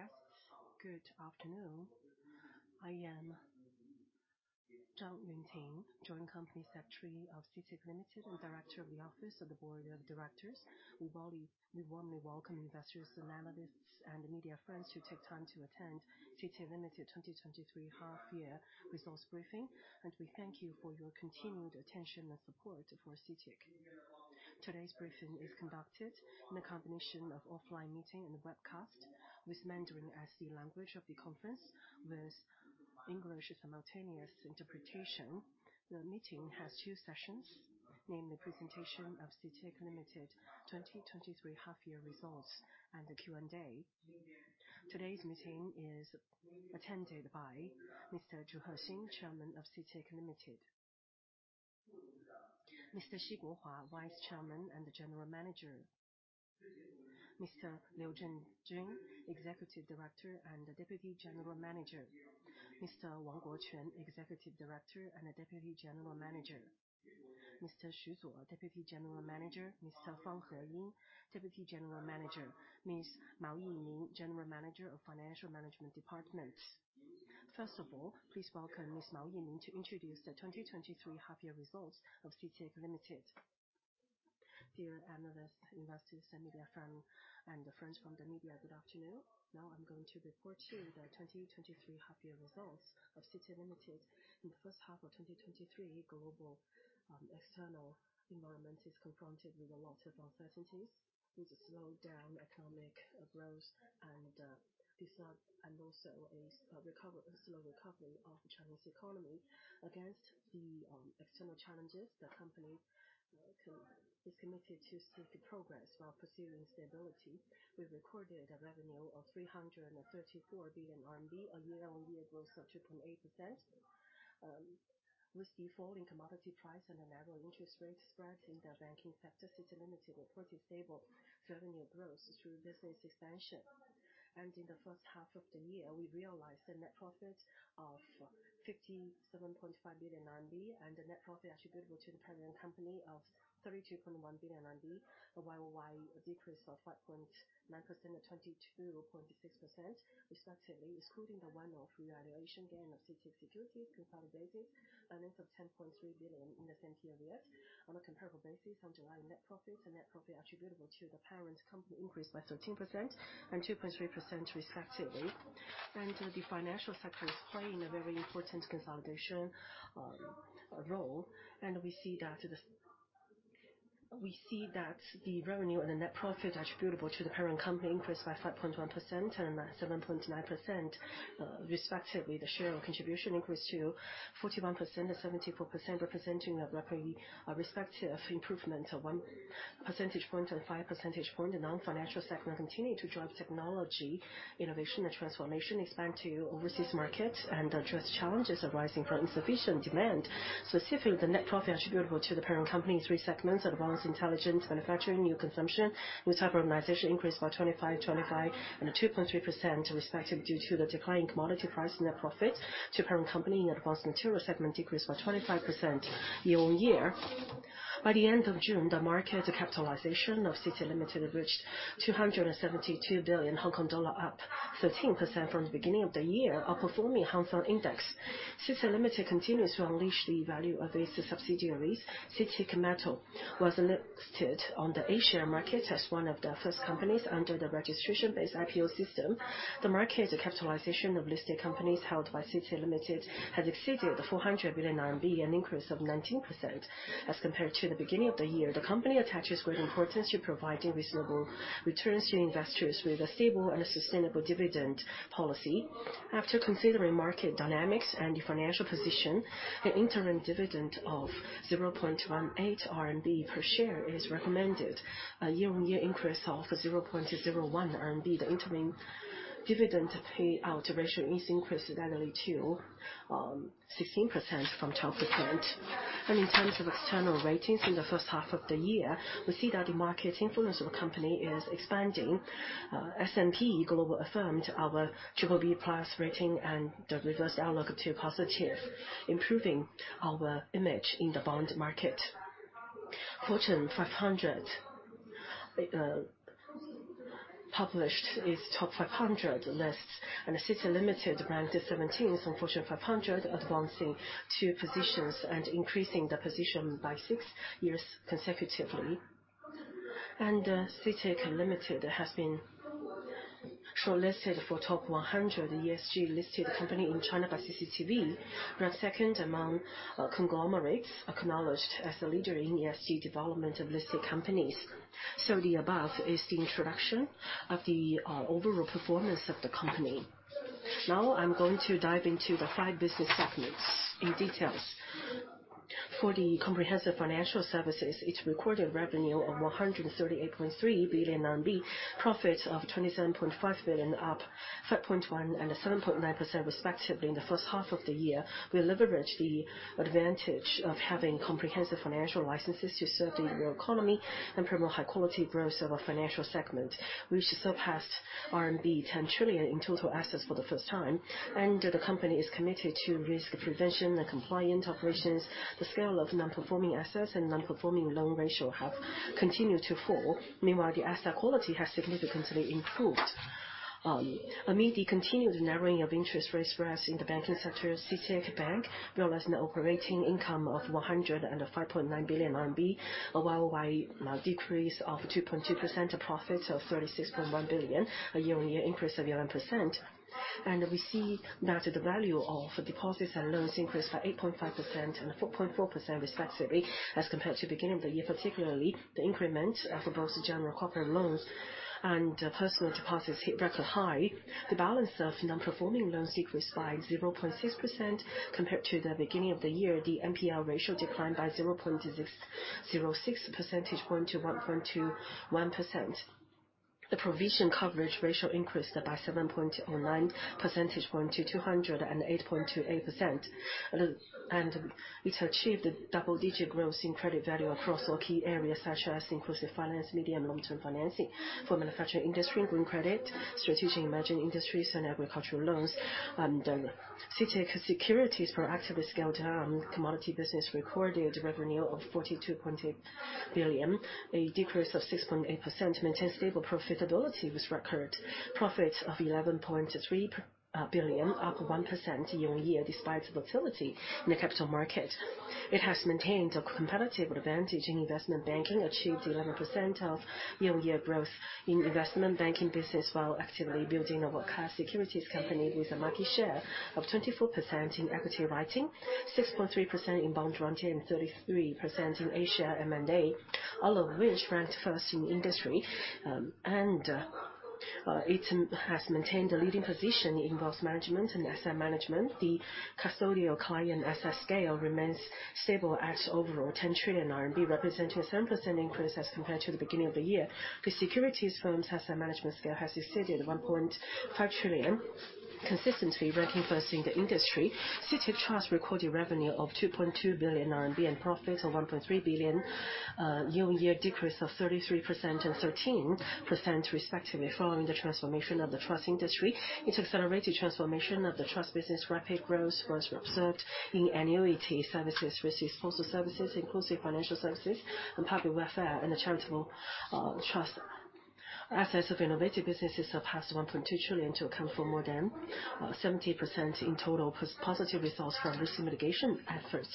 Here it is. Good afternoon. I am Zhang Yunting, Joint Company Secretary of CITIC Limited and Director of the Office of the Board of Directors. We warmly welcome investors, and analysts, and media friends who take time to attend CITIC Limited 2023 half-year results briefing, and we thank you for your continued attention and support for CITIC. Today's briefing is conducted in a combination of offline meeting and webcast, with Mandarin as the language of the conference, with English simultaneous interpretation. The meeting has two sessions, namely presentation of CITIC Limited 2023 half-year results and the Q&A. Today's meeting is attended by Mr. Zhu Hexin, Chairman of CITIC Limited. Mr. Xi Guohua, Vice Chairman and General Manager. Mr. Liu Zhengjun, Executive Director and Deputy General Manager. Mr. Wang Guoquan, Executive Director and Deputy General Manager. Mr. Xu Zuo, Deputy General Manager. Mr. Fang Heying, Deputy General Manager; Ms. Mao Yining, General Manager of Financial Management Department. First of all, please welcome Ms. Mao Yining to introduce the 2023 half-year results of CITIC Limited. Dear analysts, investors, and media friend, and the friends from the media, good afternoon. Now I'm going to report to you the 2023 half-year results of CITIC Limited. In the first half of 2023, global external environment is confronted with a lot of uncertainties, with a slowed down economic growth and this, and also a slow recovery of the Chinese economy. Against the external challenges, the company is committed to seek the progress while pursuing stability. We've recorded a revenue of 334 billion RMB, a year-on-year growth of 2.8%. With the falling commodity price and the narrow interest rate spread in the banking sector, CITIC Limited reported stable revenue growth through business expansion. In the first half of the year, we realized a net profit of 57.5 billion RMB, and the net profit attributable to the parent company of 32.1 billion RMB, a Y-O-Y decrease of 5.9% and 22.6% respectively, excluding the one-off revaluation gain of CITIC Securities consolidated earnings of 10.3 billion in the same period. On a comparable basis, underlying net profit and net profit attributable to the parent company increased by 13% and 2.3% respectively. The financial sector is playing a very important consolidation role, and we see that the... We see that the revenue and the net profit attributable to the parent company increased by 5.1% and 7.9%, respectively. The share contribution increased to 41% and 74%, representing a roughly respective improvement of 1 percentage point and 5 percentage points. The non-financial sector continued to drive technology, innovation and transformation, expand to overseas markets and address challenges arising from insufficient demand. Specifically, the net profit attributable to the parent company's three segments, advanced intelligent manufacturing, new consumption, and urbanization increased by 25%, 25%, and 2.3% respectively due to the declining commodity price. Net profit to parent company in advanced materials segment decreased by 25% year-on-year. By the end of June, the market capitalization of CITIC Limited reached 272 billion Hong Kong dollar, up 13% from the beginning of the year, outperforming Hang Seng Index. CITIC Limited continues to unleash the value of its subsidiaries. CITIC Metal was listed on the A-share market as one of the first companies under the registration-based IPO system. The market capitalization of listed companies held by CITIC Limited has exceeded 400 billion RMB, an increase of 19% as compared to the beginning of the year. The company attaches great importance to providing reasonable returns to investors with a stable and sustainable dividend policy. After considering market dynamics and the financial position, the interim dividend of 0.18 RMB per share is recommended, a year-on-year increase of 0.01 RMB. The interim dividend payout ratio is increased annually to 16% from 12%. In terms of external ratings, in the first half of the year, we see that the market influence of the company is expanding. S&P Global affirmed our BBB+ rating and revised the outlook to positive, improving our image in the bond market. Fortune 500 published its top 500 list, and CITIC Limited ranked seventeenth on Fortune 500, advancing two positions and increasing the position by six years consecutively. And CITIC Limited has been shortlisted for top 100 ESG-listed company in China by CCTV, ranked second among conglomerates, acknowledged as a leader in ESG development of listed companies. So the above is the introduction of the overall performance of the company. Now, I'm going to dive into the five business segments in detail. For the comprehensive financial services, it recorded revenue of 138.3 billion RMB, profit of 27.5 billion, up 3.1% and 7.9% respectively in the first half of the year. We leveraged the advantage of having comprehensive financial licenses to serve the real economy and promote high quality growth of our financial segment, which surpassed RMB 10 trillion in total assets for the first time. The company is committed to risk prevention and compliant operations. The scale of non-performing assets and non-performing loan ratio have continued to fall. Meanwhile, the asset quality has significantly improved.... Amid the continued narrowing of interest rates for us in the banking sector, CITIC Bank realized an operating income of 105.9 billion RMB, a year-on-year decrease of 2.2%, a profit of 36.1 billion, a year-on-year increase of 11%. We see that the value of deposits and loans increased by 8.5% and 4.4% respectively, as compared to the beginning of the year, particularly the increment for both general corporate loans and personal deposits hit record high. The balance of non-performing loans decreased by 0.6% compared to the beginning of the year. The NPL ratio declined by 0.06 percentage points to 1.21%. The provision coverage ratio increased by 7.09 percentage points to 208.28%. It achieved double-digit growth in credit value across all key areas, such as inclusive finance, medium- and long-term financing for manufacturing industry, green credit, strategic emerging industries, and agricultural loans. CITIC Securities proactively scaled down commodity business, recorded revenue of 42.8 billion, a decrease of 6.8%, maintained stable profitability, with record profits of 11.3 billion, up 1% year-on-year, despite the volatility in the capital market. It has maintained a competitive advantage in investment banking, achieved 11% year-on-year growth in investment banking business, while actively building a world-class securities company with a market share of 24% in equity writing, 6.3% in bond underwriting, and 33% in Asia M&A, all of which ranked first in industry. It has maintained a leading position in both management and asset management. The custodial client asset scale remains stable at overall 10 trillion RMB, representing a 7% increase as compared to the beginning of the year. The securities firm's asset management scale has exceeded 1.5 trillion, consistently ranking first in the industry. CITIC Trust recorded revenue of 2.2 billion RMB and profit of 1.3 billion, year-on-year decrease of 33% and 13% respectively. Following the transformation of the trust industry, it accelerated transformation of the trust business. Rapid growth was observed in annuity services, response services, inclusive financial services, and public welfare, and the charitable trust. Assets of innovative businesses surpassed 1.2 trillion to account for more than 70% in total, positive results from risk mitigation efforts.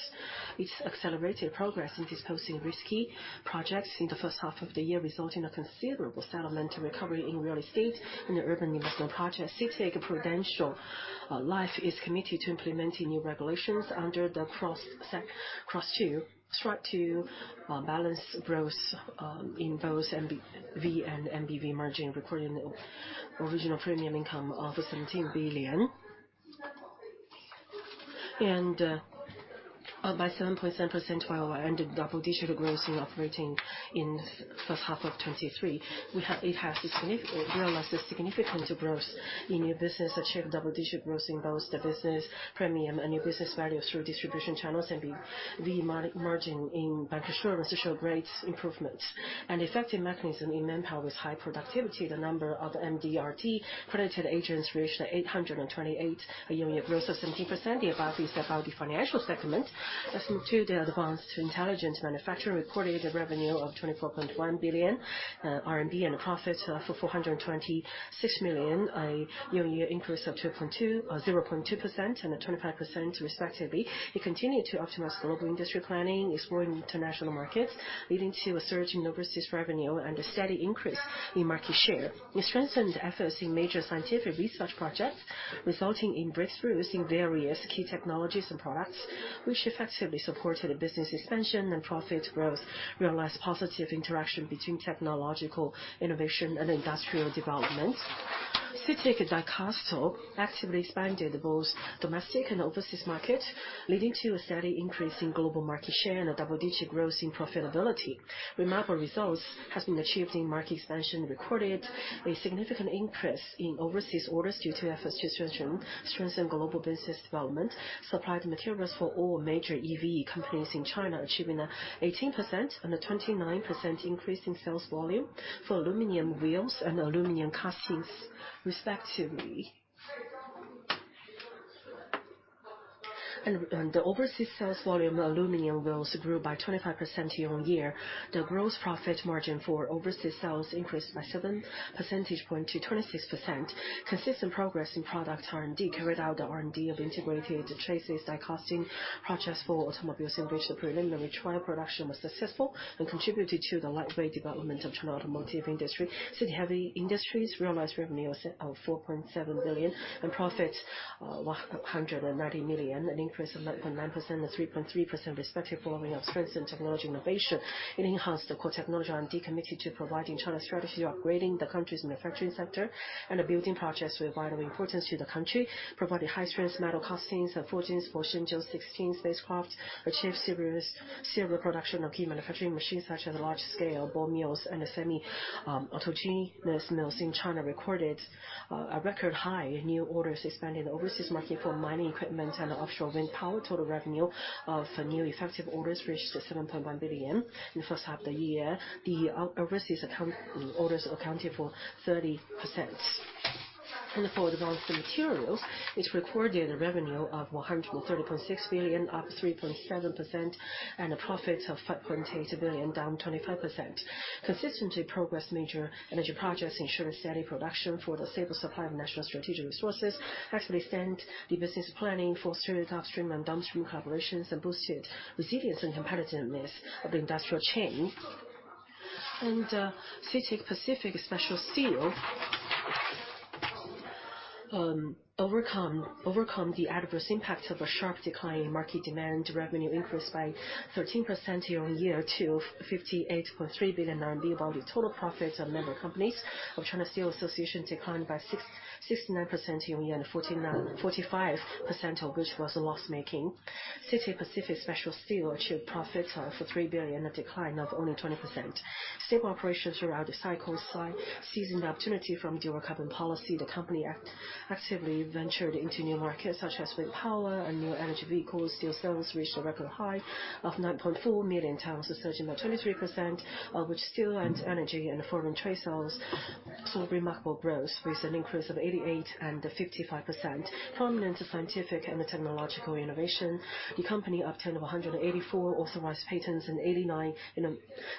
It's accelerated progress in disposing risky projects in the first half of the year, resulting in a considerable settlement recovery in real estate and the urban investment project. CITIC Prudential Life is committed to implementing new regulations under the C-ROSS II, track to, balance growth in both NBV and NBV margin, recording original premium income of 17 billion. And by 7.7% year-on-year, and a double-digit growth in operating in the first half of 2023. It has realized a significant growth in new business, achieved double-digit growth in both the business premium and new business value through distribution channels, and V, V margin in bancassurance to show great improvements. Effective mechanism in manpower with high productivity, the number of MDRT credited agents reached 828, a year-on-year growth of 17%. The above is about the financial segment. As to the advanced intelligence manufacturing, recorded a revenue of 24.1 billion RMB, and a profit of 426 million, a year-on-year increase of 0.2% and a 25% respectively. It continued to optimize global industry planning, exploring international markets, leading to a surge in overseas revenue and a steady increase in market share. It strengthened efforts in major scientific research projects, resulting in breakthroughs in various key technologies and products, which effectively supported the business expansion and profit growth, realized positive interaction between technological innovation and industrial development. CITIC Dicastal actively expanded both domestic and overseas market, leading to a steady increase in global market share and a double-digit growth in profitability. Remarkable results has been achieved in market expansion, recorded a significant increase in overseas orders due to efforts to strengthen global business development, supplied materials for all major EV companies in China, achieving an 18% and a 29% increase in sales volume for aluminum wheels and aluminum castings, respectively. And the overseas sales volume of aluminum wheels grew by 25% year-on-year. The gross profit margin for overseas sales increased by 7 percentage point to 26%. Consistent progress in product R&D carried out the R&D of integrated traces, die casting projects for automobiles, in which the preliminary trial production was successful and contributed to the lightweight development of China automotive industry. CITIC Heavy Industries realized revenue of 4.7 billion, and profit 190 million, an increase of 9.9% and 3.3% respectively, following our strengths and technology innovation. It enhanced the core technology on decommitted to providing China strategy, upgrading the country's manufacturing sector, and building projects with vital importance to the country. Provided high-strength metal castings and forgings for Shenzhou-16 spacecraft, achieved several production of key manufacturing machines, such as large-scale ball mills and semi-autogenous mills in China, recorded a record high in new orders, expanding the overseas market for mining equipment and offshore wind power. Total revenue of new effective orders reached 7.1 billion in the first half of the year. The overseas orders accounted for 30%. For advanced materials, it recorded a revenue of 130.6 billion, up 3.7%, and a profit of 5.8 billion, down 25%. Consistently progress major energy projects, ensure steady production for the stable supply of national strategic resources, actively extend the business planning for strategic upstream and downstream collaborations, and boosted resilience and competitiveness of the industrial chain. CITIC Pacific Special Steel overcame the adverse impact of a sharp decline in market demand. Revenue increased by 13% year-on-year to 58.3 billion RMB. While the total profits of member companies of China Steel Association declined by 69% year-on-year, and 45% of which was loss-making. CITIC Pacific Special Steel achieved profits of 3 billion, a decline of only 20%. Stable operations throughout the cycle, seizing the opportunity from dual carbon policy, the company actively ventured into new markets such as wind power and new energy vehicles. Steel sales reached a record high of 9.4 million tons, a surge about 23%, of which steel and energy and foreign trade sales saw remarkable growth, with an increase of 88% and 55%. Prominent scientific and technological innovation, the company obtained 184 authorized patents and 89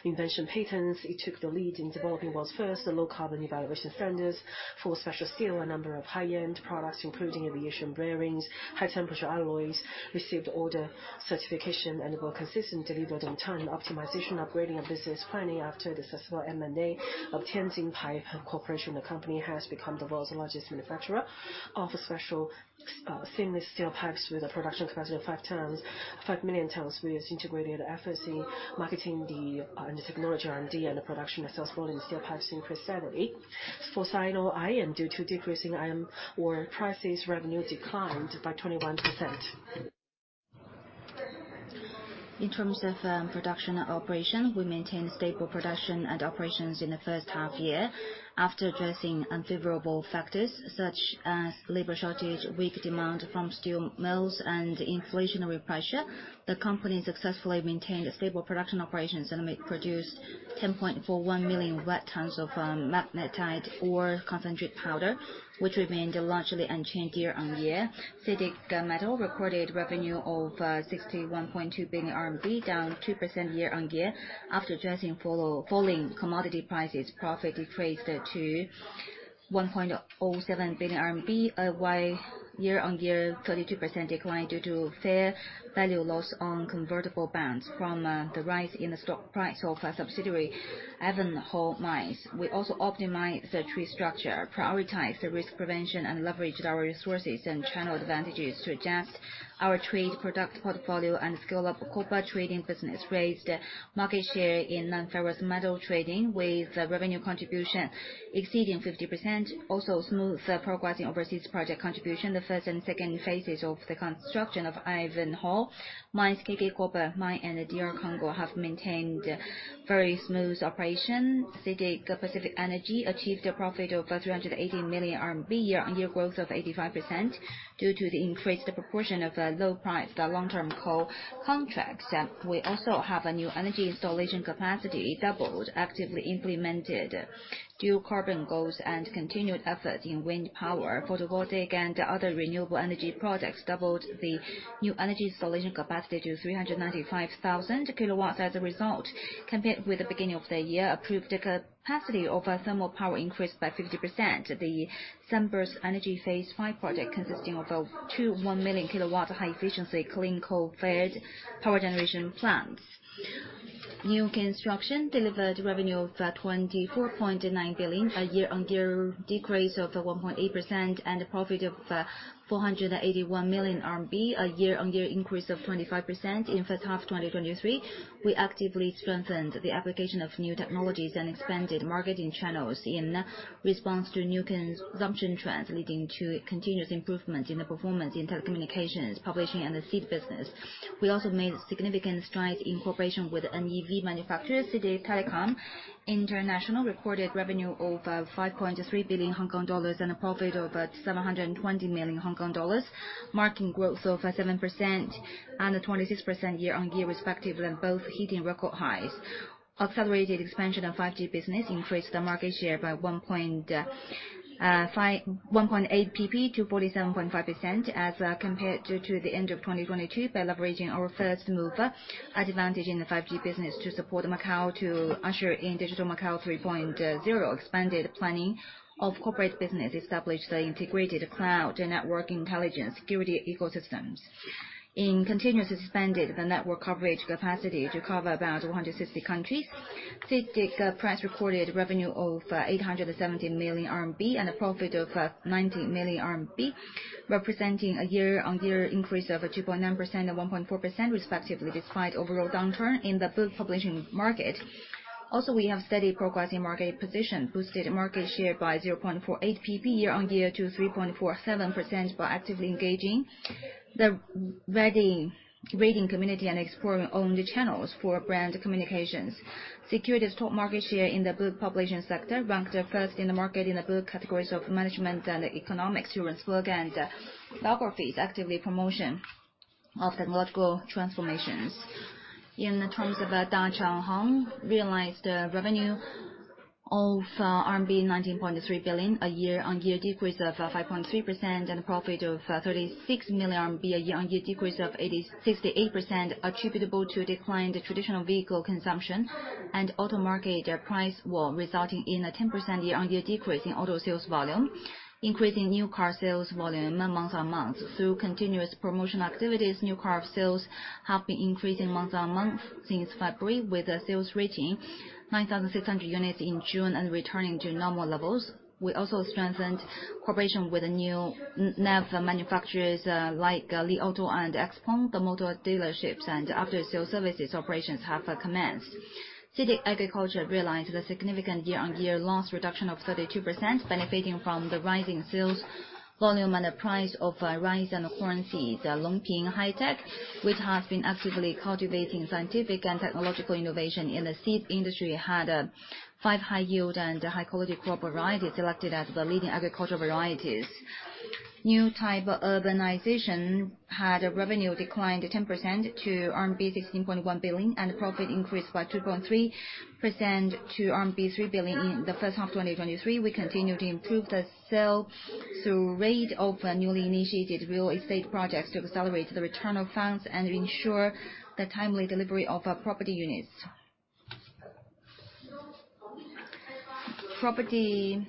invention patents. It took the lead in developing world's first, the low-carbon evaluation standards for special steel. A number of high-end products, including aviation bearings, high-temperature alloys, received order certification and were consistent, delivered on time. Optimization, upgrading of business planning after the successful M&A of Tianjin Pipe Corporation. The company has become the world's largest manufacturer of a special, seamless steel pipes with a production capacity of 5 million tons, with integrated efforts in marketing the, and technology R&D and the production of sales volume steel pipes increased steadily. For Sino Iron, due to decreasing iron ore prices, revenue declined by 21%. In terms of production operation, we maintained stable production and operations in the first half year. After addressing unfavorable factors such as labor shortage, weak demand from steel mills, and inflationary pressure, the company successfully maintained stable production operations, and it produced 10.41 million wet tons of magnetite ore concentrate powder, which remained largely unchanged year-on-year. CITIC Metal recorded revenue of 61.2 billion RMB, down 2% year-on-year. After addressing falling commodity prices, profit decreased to 1.07 billion RMB, a wide year-on-year 32% decline due to fair value loss on convertible bonds from the rise in the stock price of our subsidiary, Ivanhoe Mines. We also optimized the trade structure, prioritized the risk prevention, and leveraged our resources and channel advantages to adjust our trade product portfolio and scale up copper trading business, raised market share in non-ferrous metal trading, with revenue contribution exceeding 50%. Also, smooth progress in overseas project contribution. The first and second phases of the construction of Ivanhoe Mines, KK Copper Mine, and DR Congo, have maintained very smooth operation. CITIC Pacific Energy achieved a profit of 318 million RMB, year-on-year growth of 85%, due to the increased proportion of low-priced long-term coal contracts. We also have a new energy installation capacity, doubled, actively implemented Dual Carbon Goals, and continued efforts in wind power. Photovoltaic and other renewable energy products doubled the new energy installation capacity to 395,000 kilowatts. As a result, compared with the beginning of the year, approved capacity of thermal power increased by 50%. The Sunburst Energy Phase Five project, consisting of two 1-million-kilowatt high-efficiency clean coal-fired power generation plants. New construction delivered revenue of 24.9 billion, a year-on-year decrease of 1.8%, and a profit of 481 million RMB, a year-on-year increase of 25% in the first half of 2023. We actively strengthened the application of new technologies and expanded marketing channels in response to new consumption trends, leading to continuous improvement in the performance in telecommunications, publishing, and the seed business. We also made significant strides in cooperation with an EV manufacturer. CITIC Telecom International recorded revenue of 5.3 billion Hong Kong dollars and a profit of 720 million Hong Kong dollars, marking growth of 7% and a 26% year-on-year, respectively, both hitting record highs. Accelerated expansion of 5G business increased the market share by one point eight PP to 47.5% as compared to the end of 2022, by leveraging our first mover advantage in the 5G business to support Macau to usher in Digital Macau 3.0. Expanded planning of corporate business established the integrated cloud and network intelligence security ecosystems. In continuously expanded the network coverage capacity to cover about 160 countries. CITIC Press recorded revenue of 817 million RMB, and a profit of 90 million RMB, representing a year-on-year increase of 2.9% and 1.4%, respectively, despite overall downturn in the book publishing market. Also, we have steady progress in market position, boosted market share by 0.48 PP year-on-year to 3.47% by actively engaging the reading, reading community and exploring own the channels for brand communications. Secured a top market share in the book publishing sector, ranked first in the market in the book categories of management and economics, tourist blog, and biographies, active promotion of technological transformations. In the terms of Dah Chong Hong, realized revenue of RMB 19.3 billion, a year-on-year decrease of 5.3%, and a profit of 36 million RMB, a year-on-year decrease of 68%, attributable to decline the traditional vehicle consumption and auto market price war, resulting in a 10% year-on-year decrease in auto sales volume, increasing new car sales volume month-on-month. Through continuous promotion activities, new car sales have been increasing month-on-month since February, with a sales reaching 9,600 units in June and returning to normal levels. We also strengthened cooperation with the new NEV manufacturers, like, Li Auto and XPeng. The motor dealerships and after-sales services operations have commenced. CITIC Agriculture realized a significant year-on-year loss reduction of 32%, benefiting from the rising sales volume and the price of rice in the currency. The Longping Hi-Tech, which has been actively cultivating scientific and technological innovation in the seed industry, had five high-yield and high-quality crop varieties selected as the leading agricultural varieties. New type of urbanization had a revenue decline to 10%, to RMB 16.1 billion, and profit increased by 2.3% to RMB 3 billion in the first half of 2023. We continued to improve the sell-through rate of newly initiated real estate projects to accelerate the return of funds and ensure the timely delivery of our property units. Property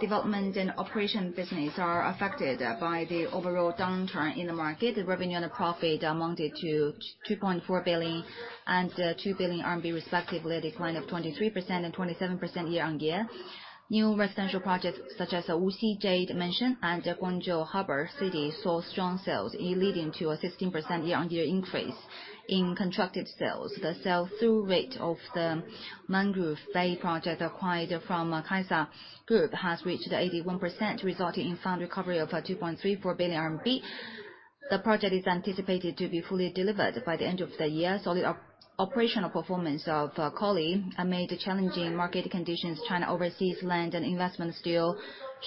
development and operation business are affected by the overall downturn in the market. The revenue and the profit amounted to 2.4 billion and two billion CNY respectively, a decline of 23% and 27% year on year. New residential projects such as the Wuxi Jade Mansion and the Guangzhou Harbor City saw strong sales, leading to a 16% year-on-year increase in contracted sales. The sell-through rate of the Mangrove Bay project acquired from Kaisa Group has reached 81%, resulting in fund recovery of 2.34 billion RMB. The project is anticipated to be fully delivered by the end of the year. Solid operational performance of COLI amid challenging market conditions, China Overseas Land and Investment still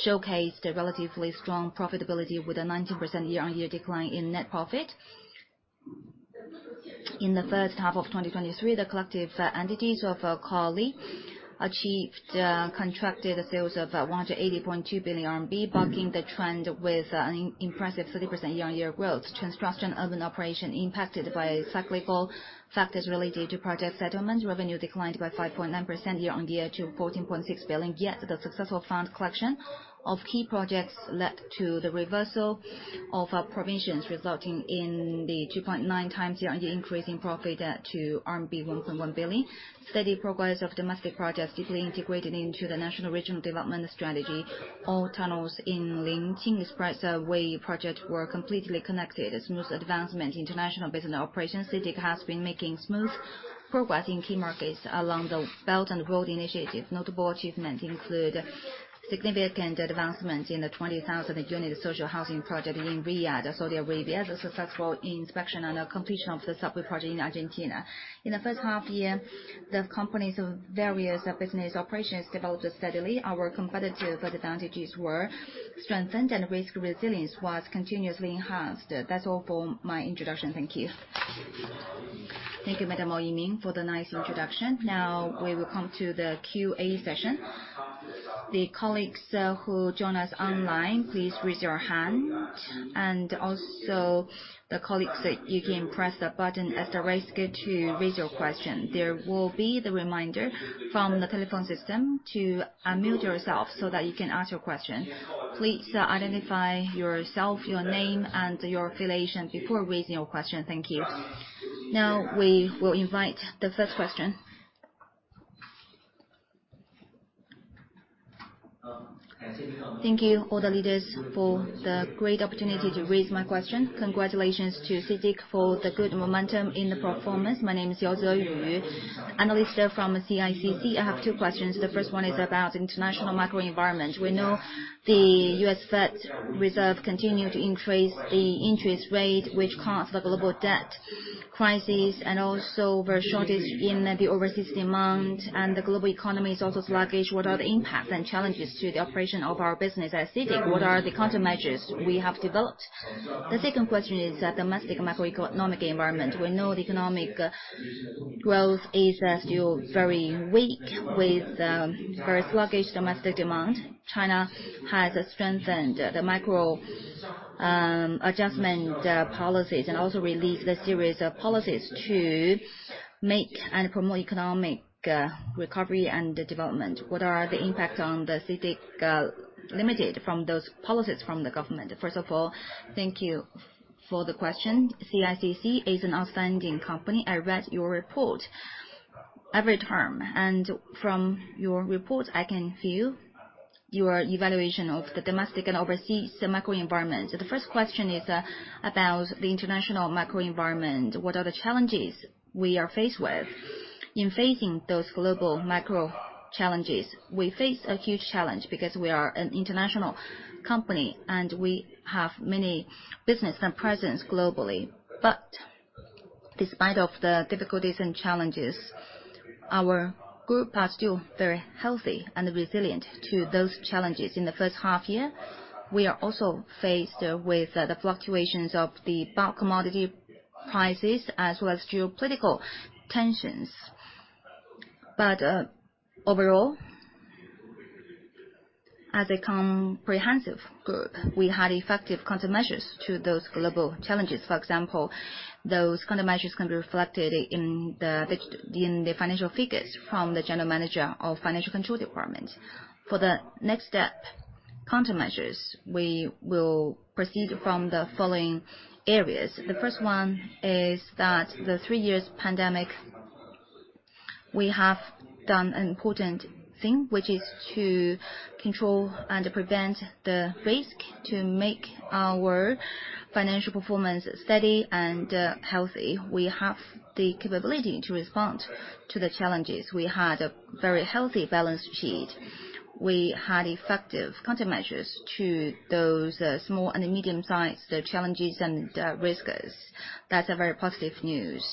showcased a relatively strong profitability, with a 19% year-on-year decline in net profit. In the first half of 2023, the collective entities of COLI achieved contracted sales of 180.2 billion RMB, bucking the trend with an impressive 30% year-on-year growth. Construction of an operation impacted by cyclical factors related to project settlement. Revenue declined by 5.9% year-on-year to 14.6 billion. Yet, the successful fund collection of key projects led to the reversal of provisions, resulting in the 2.9 times year-on-year increase in profit to RMB 1.1 billion. Steady progress of domestic projects deeply integrated into the national regional development strategy. All tunnels in Linqing Expressway project were completely connected. A smooth advancement international business operations, CITIC has been making smooth progress in key markets along the Belt and Road Initiative. Notable achievements include significant advancement in the 20,000-unit social housing project in Riyadh, Saudi Arabia. The successful inspection and completion of the subway project in Argentina. In the first half year, the company's various business operations developed steadily. Our competitive advantages were strengthened and risk resilience was continuously enhanced. That's all for my introduction. Thank you. Thank you, Madam Mao Yining, for the nice introduction. Now we will come to the Q&A session. The colleagues who join us online, please raise your hand. And also the colleagues you can press the button at the raise hand to raise your question. There will be the reminder from the telephone system to unmute yourself, so that you can ask your question. Please identify yourself, your name, and your affiliation before raising your question. Thank you. Now, we will invite the first question. Thank you, all the leaders, for the great opportunity to raise my question. Congratulations to CITIC for the good momentum in the performance. My name is Yao Zeyu, analyst from CICC. I have two questions. The first one is about international macroenvironment. We know the U.S. Federal Reserve continued to increase the interest rate, which caused the global debt crisis and also the shortage in the overseas demand, and the global economy is also sluggish. What are the impacts and challenges to the operation of our business at CITIC? What are the countermeasures we have developed? The second question is the domestic macroeconomic environment. We know the economic growth is still very weak with very sluggish domestic demand. China has strengthened the micro adjustment policies, and also released a series of policies to make and promote economic recovery and development. What are the impact on the CITIC Limited from those policies from the government? First of all, thank you for the question. CICC is an outstanding company. I read your report every term, and from your report, I can feel your evaluation of the domestic and overseas macroenvironment. So the first question is about the international macroenvironment. What are the challenges we are faced with? In facing those global macro challenges, we face a huge challenge because we are an international company, and we have many business and presence globally. But despite of the difficulties and challenges, our group are still very healthy and resilient to those challenges. In the first half year, we are also faced with the fluctuations of the bulk commodity prices, as well as geopolitical tensions. But overall, as a comprehensive group, we had effective countermeasures to those global challenges. For example, those countermeasures can be reflected in the financial figures from the General Manager of Financial Management Department. For the next step, countermeasures, we will proceed from the following areas. The first one is that the three years pandemic, we have done an important thing, which is to control and prevent the risk to make our financial performance steady and healthy. We have the capability to respond to the challenges. We had a very healthy balance sheet. We had effective countermeasures to those small and medium-sized challenges and risks. That's a very positive news,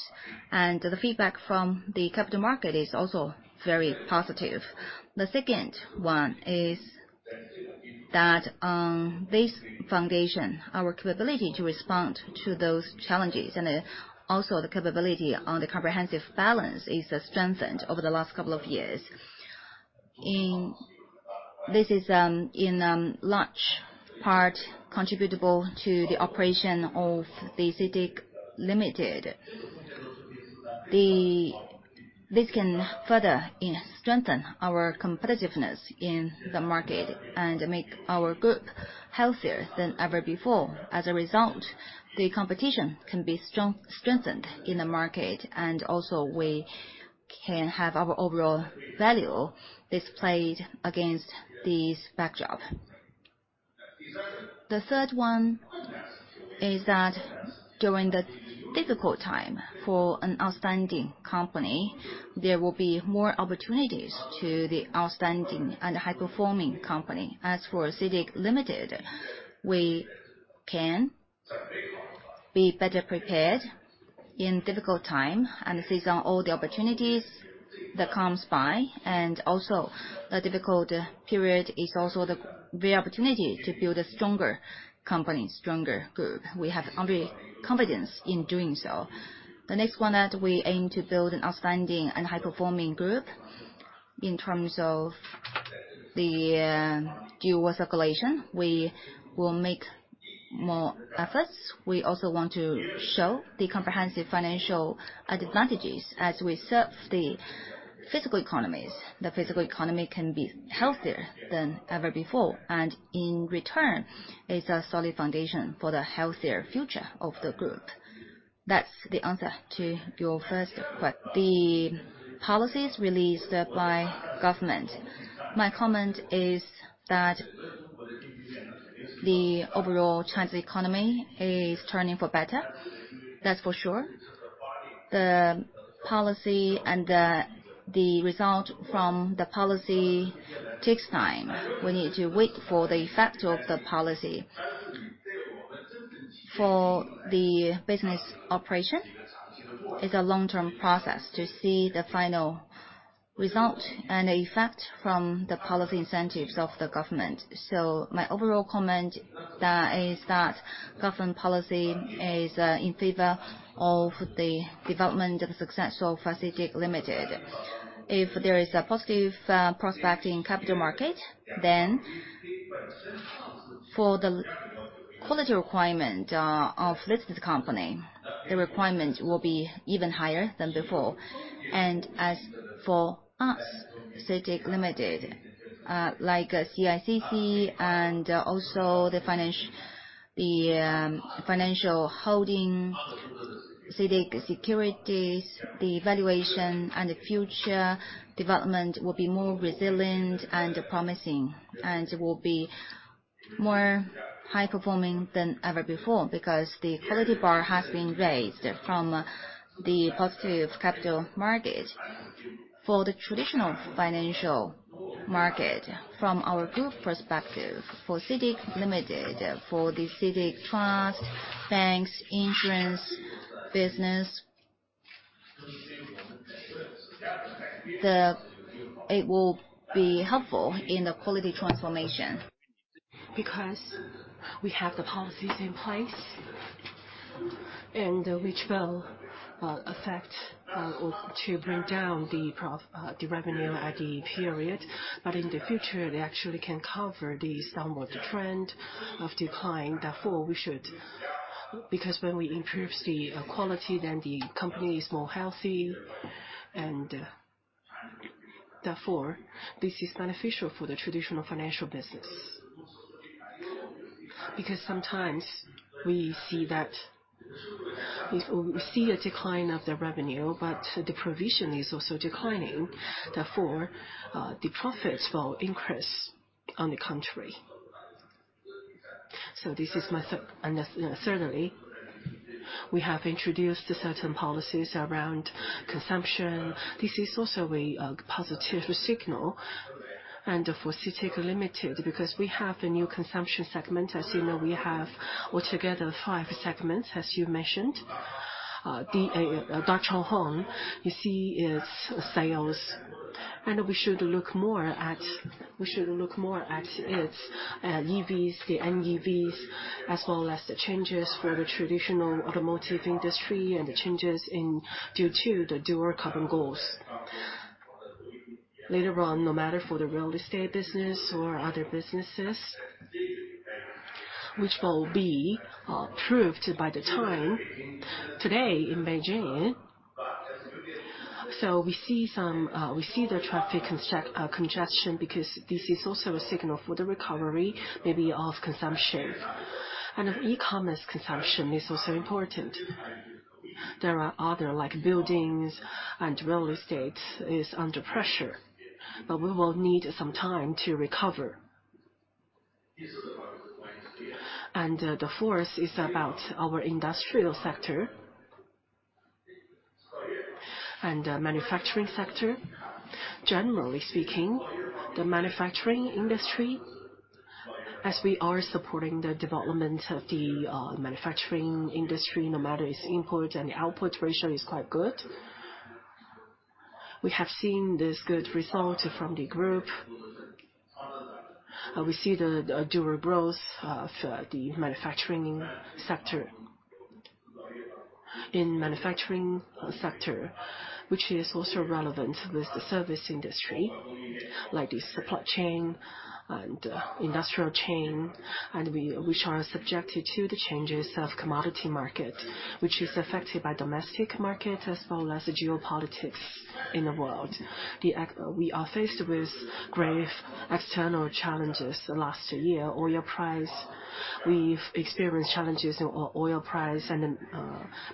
and the feedback from the capital market is also very positive. The second one is that this foundation, our capability to respond to those challenges and also the capability on the comprehensive balance, is strengthened over the last couple of years. This is in large part attributable to the operation of CITIC Limited. This can further strengthen our competitiveness in the market and make our group healthier than ever before. As a result, the competition can be strengthened in the market, and also we can have our overall value displayed against this backdrop. The third one is that during the difficult time for an outstanding company, there will be more opportunities to the outstanding and high-performing company. As for CITIC Limited, we can be better prepared in difficult time and seize on all the opportunities that comes by, and also the difficult period is also the opportunity to build a stronger company, stronger group. We have every confidence in doing so. The next one, that we aim to build an outstanding and high-performing group. In terms of the dual circulation, we will make more efforts. We also want to show the comprehensive financial advantages as we serve the physical economies. The physical economy can be healthier than ever before, and in return, it's a solid foundation for the healthier future of the group. That's the answer to your first question. The policies released by the government; my comment is that the overall Chinese economy is turning for the better. That's for sure. The policy and the result from the policy takes time. We need to wait for the effect of the policy. For the business operation, it's a long-term process to see the final result and effect from the policy incentives of the government. So my overall comment is that government policy is in favor of the development and success for CITIC Limited. If there is a positive prospect in capital market, then for the quality requirement of listed company, the requirement will be even higher than before. As for us, CITIC Limited, like CICC and also the financial holding, CITIC Securities, the valuation and the future development will be more resilient and promising, and will be more high-performing than ever before, because the quality bar has been raised from the positive capital market. For the traditional financial market, from our group perspective, for CITIC Limited, for the CITIC Trust, banks, insurance business, it will be helpful in the quality transformation. Because we have the policies in place, and which will affect or to bring down the revenue at the period. But in the future, they actually can cover the downward trend of decline. Therefore, we should because when we improve the quality, then the company is more healthy, and therefore, this is beneficial for the traditional financial business. Because sometimes we see that we see a decline of the revenue, but the provision is also declining, therefore, the profits will increase on the contrary. So this is my third and certainly we have introduced certain policies around consumption. This is also a positive signal for CITIC Limited, because we have the new consumption segment. As you know, we have altogether five segments, as you mentioned. The Dah Chong Hong, you see its sales. And we should look more at, we should look more at its EVs, the NEVs, as well as the changes for the traditional automotive industry, and the changes in due to the Dual Carbon Goals. Later on, no matter for the real estate business or other businesses, which will be approved by the time today in Beijing. So we see some, we see the traffic congestion, because this is also a signal for the recovery, maybe of consumption. And e-commerce consumption is also important. There are other, like buildings and real estate is under pressure, but we will need some time to recover. And the fourth is about our industrial sector and manufacturing sector. Generally speaking, the manufacturing industry, as we are supporting the development of the manufacturing industry, no matter its input and output ratio is quite good. We have seen this good result from the group. We see the, the dual growth of, the manufacturing sector. In manufacturing sector, which is also relevant with the service industry, like the supply chain and, industrial chain, and which are subjected to the changes of commodity market, which is affected by domestic market as well as the geopolitics in the world. We are faced with grave external challenges. Last year, oil price, we've experienced challenges in oil price and,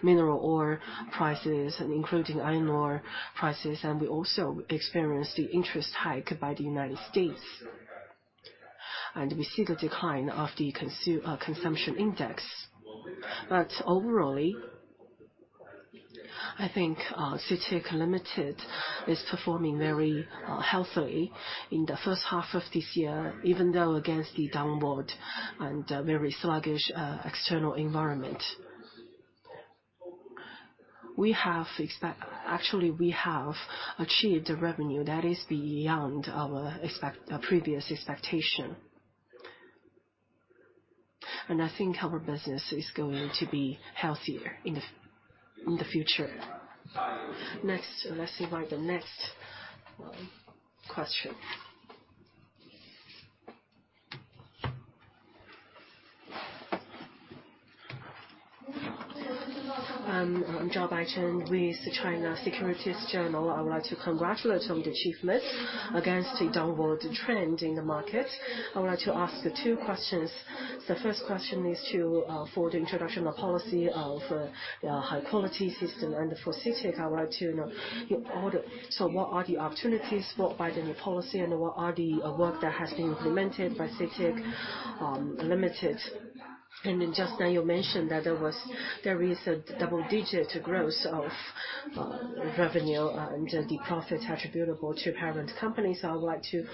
mineral oil prices, and including iron ore prices, and we also experienced the interest hike by the United States. We see the decline of the consumption index. But overall, I think, CITIC Limited is performing very, healthily in the first half of this year, even though against the downward and, very sluggish, external environment. Actually, we have achieved a revenue that is beyond our previous expectation. And I think our business is going to be healthier in the future. Next, let's invite the next question. I'm Jia Baichen with the China Securities Journal. I would like to congratulate on the achievement against the downward trend in the market. I would like to ask two questions. The first question is to for the introduction of policy of high quality system and for CITIC. I would like to know your order. So what are the opportunities brought by the new policy, and what are the work that has been implemented by CITIC Limited? And then just now, you mentioned that there is a double digit growth of revenue and the profit attributable to parent company. So I would like to,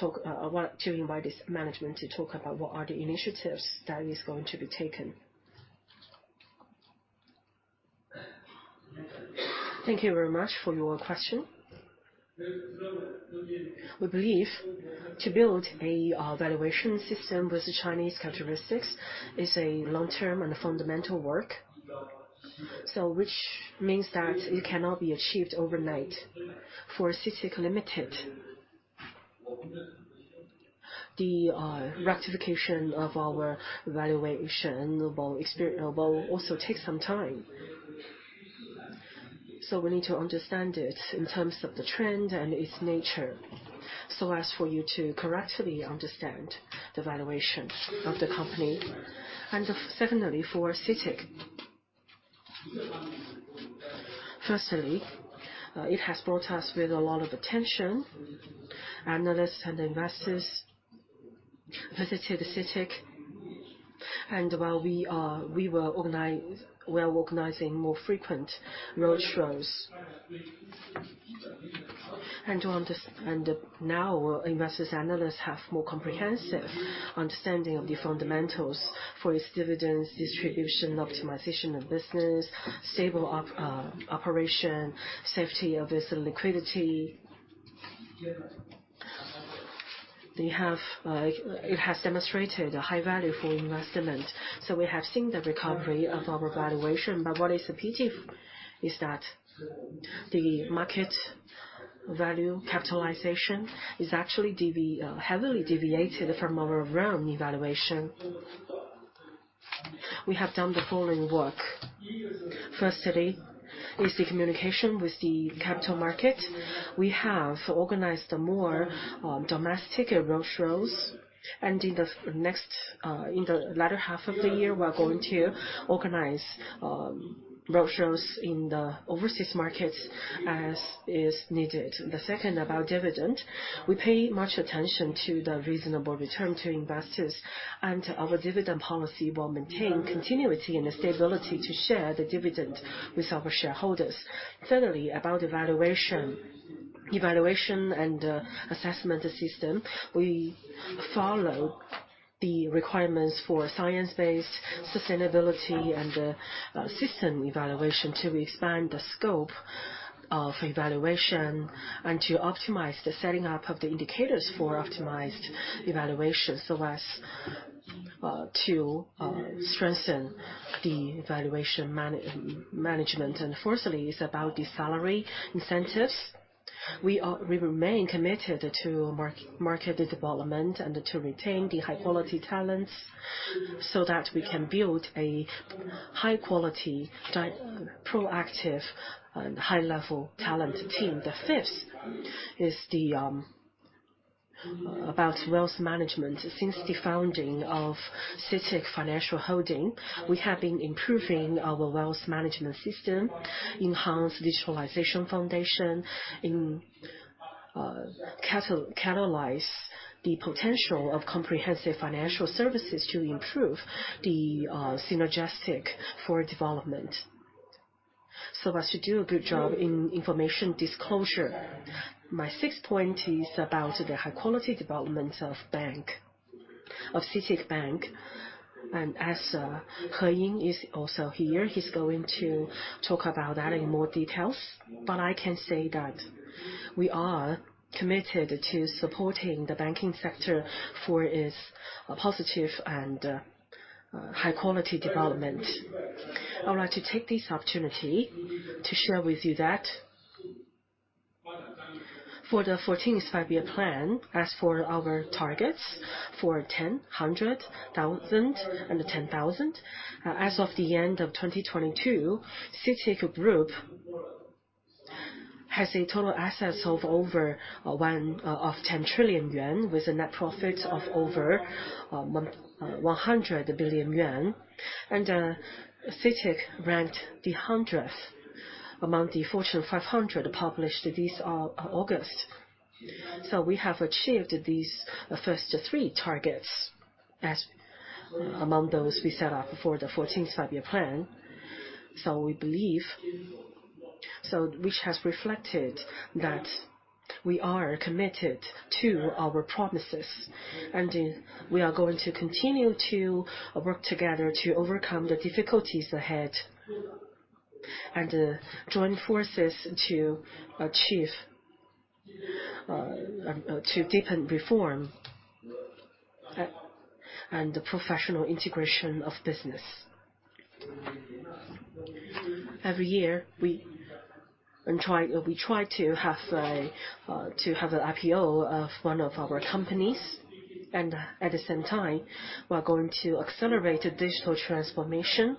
talk, I want to invite this management to talk about what are the initiatives that is going to be taken. Thank you very much for your question. We believe to build a, valuation system with the Chinese characteristics is a long-term and fundamental work. So which means that it cannot be achieved overnight. For CITIC Limited, the, rectification of our valuation will also take some time. So we need to understand it in terms of the trend and its nature, so as for you to correctly understand the valuation of the company. And secondly, for CITIC. Firstly, it has brought us with a lot of attention. Analysts and investors visited CITIC, and we're organizing more frequent roadshows. And now, investors, analysts have more comprehensive understanding of the fundamentals for its dividends, distribution, optimization of business, stable operation, safety of its liquidity. They have. It has demonstrated a high value for investment, so we have seen the recovery of our valuation. But what is the pity, is that the market value capitalization is actually heavily deviated from our own evaluation. We have done the following work. Firstly, is the communication with the capital market. We have organized more domestic roadshows, and in the latter half of the year, we are going to organize roadshows in the overseas markets as is needed. The second, about dividend. We pay much attention to the reasonable return to investors, and our dividend policy will maintain continuity and stability to share the dividend with our shareholders. Thirdly, about evaluation. Evaluation and assessment system, we follow the requirements for science-based sustainability and system evaluation to expand the scope of evaluation, and to optimize the setting up of the indicators for optimized evaluation, so as to strengthen the evaluation management. Firstly, it's about the salary incentives. We remain committed to market development and to retain the high-quality talents, so that we can build a high-quality, proactive, and high-level talent team. The fifth is about wealth management. Since the founding of CITIC Financial Holding, we have been improving our wealth management system, enhance visualization foundation, in catalyze the potential of comprehensive financial services to improve the synergistic for development. So as to do a good job in information disclosure, my sixth point is about the high quality development of bank, of CITIC Bank. As Heying is also here, he's going to talk about that in more details. But I can say that we are committed to supporting the banking sector for its positive and high-quality development. I would like to take this opportunity to share with you that for the 14th Five-Year Plan, as for our targets for 10, 100, 1,000, and 10,000, as of the end of 2022, CITIC Group has total assets of over 10 trillion yuan, with a net profit of over 100 billion yuan. CITIC ranked 100th among the Fortune 500, published this August. So we have achieved these first three targets, as among those we set up for the 14th Five-Year Plan. So we believe. So, which has reflected that we are committed to our promises, and we are going to continue to work together to overcome the difficulties ahead, and join forces to achieve to deepen reform and the professional integration of business. Every year, we try to have an IPO of one of our companies, and at the same time, we are going to accelerate the digital transformation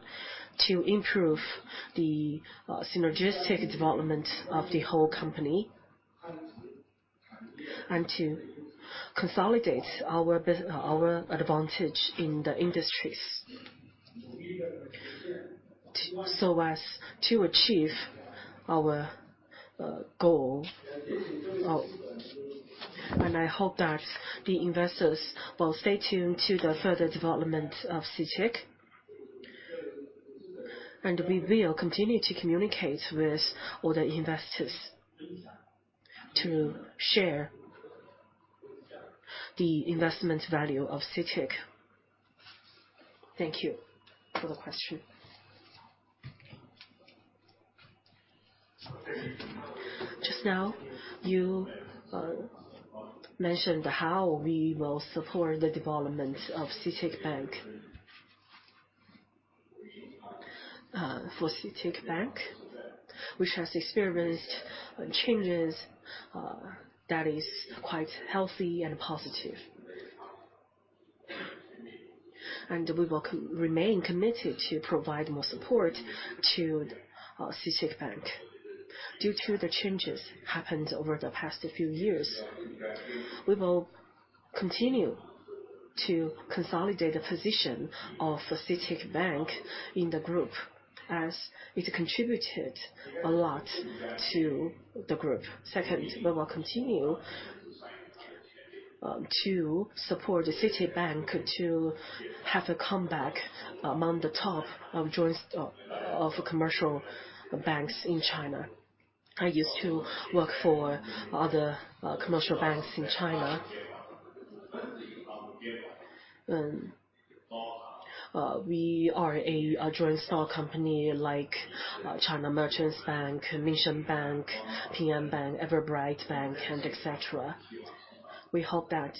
to improve the synergistic development of the whole company, and to consolidate our advantage in the industries, so as to achieve our goal of... And I hope that the investors will stay tuned to the further development of CITIC. And we will continue to communicate with all the investors, to share the investment value of CITIC. Thank you for the question. Just now, you mentioned how we will support the development of CITIC Bank. For CITIC Bank, which has experienced changes that is quite healthy and positive. We will remain committed to provide more support to CITIC Bank. Due to the changes happened over the past few years, we will continue to consolidate the position of CITIC Bank in the group, as it contributed a lot to the group. Second, we will continue to support CITIC Bank to have a comeback among the top of joint stock of commercial banks in China. I used to work for other commercial banks in China. We are a joint stock company like China Merchants Bank, Minsheng Bank, Ping An Bank, Everbright Bank, and et cetera. We hope that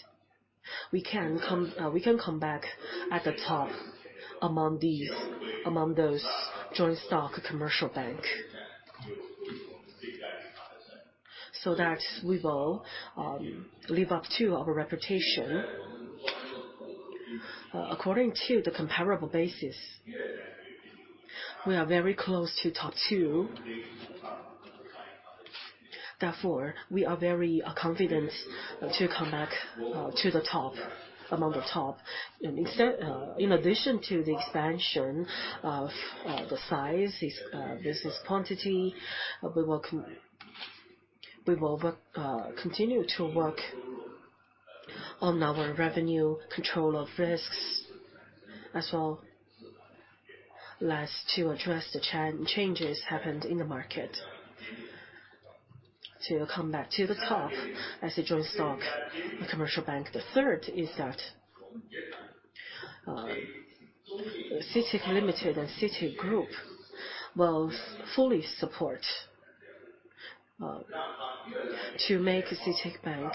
we can come back at the top among those joint stock commercial bank. So that we will live up to our reputation. According to the comparable basis, we are very close to top two. Therefore, we are very confident to come back to the top, among the top. And in addition to the expansion of the size, is, business quantity, we will continue to work on our revenue control of risks, as well as to address the changes happened in the market to come back to the top as a joint stock commercial bank. The third is that CITIC Limited and CITIC Group will fully support to make CITIC Bank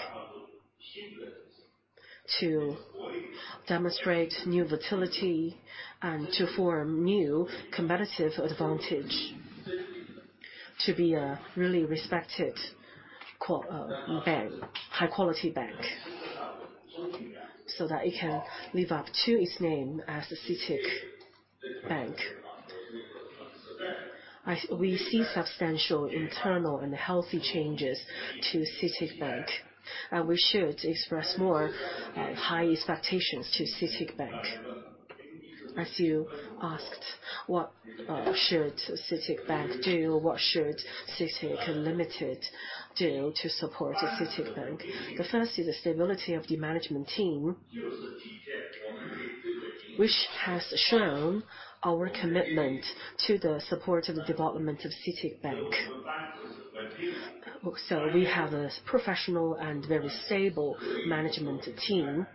demonstrate new vitality and to form new competitive advantage, to be a really respected quality bank, high quality bank, so that it can live up to its name as a CITIC Bank. We see substantial internal and healthy changes to CITIC Bank, and we should express more high expectations to CITIC Bank. As you asked, what should CITIC Bank do? What should CITIC Limited do to support CITIC Bank? The first is the stability of the management team, which has shown our commitment to the support of the development of CITIC Bank. So we have a professional and very stable management team,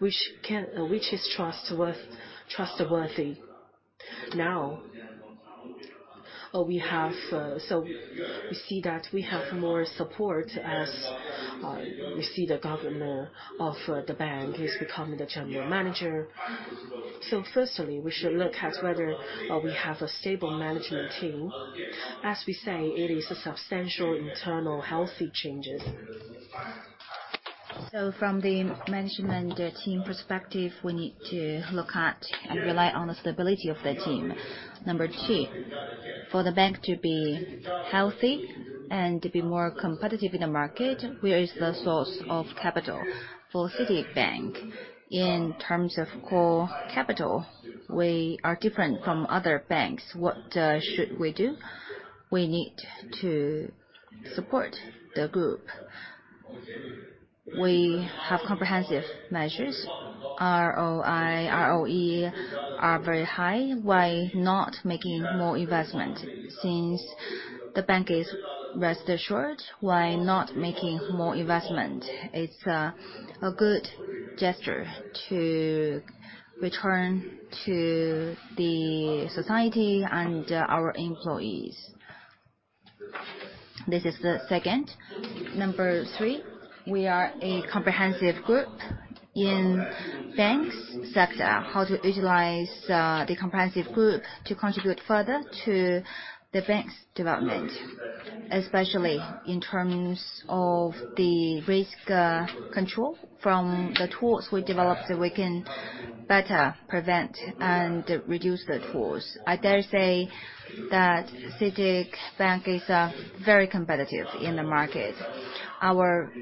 which is trustworthy. Now we have... So we see that we have more support as we see the governor of the bank is becoming the general manager. So firstly, we should look at whether we have a stable management team. As we say, it is a substantial internal, healthy changes. So from the management team perspective, we need to look at and rely on the stability of the team. Number two, for the bank to be healthy and to be more competitive in the market, where is the source of capital? For CITIC Bank, in terms of core capital, we are different from other banks. What should we do? We need to support the group. We have comprehensive measures. ROI, ROE are very high. Why not making more investment? Since the bank is asset short, why not making more investment? It's a good gesture to return to the society and our employees. This is the second. Number three, we are a comprehensive group in banks sector. How to utilize the comprehensive group to contribute further to the bank's development, especially in terms of the risk control from the tools we developed, so we can better prevent and reduce the tools. I dare say that CITIC Bank is very competitive in the market. Our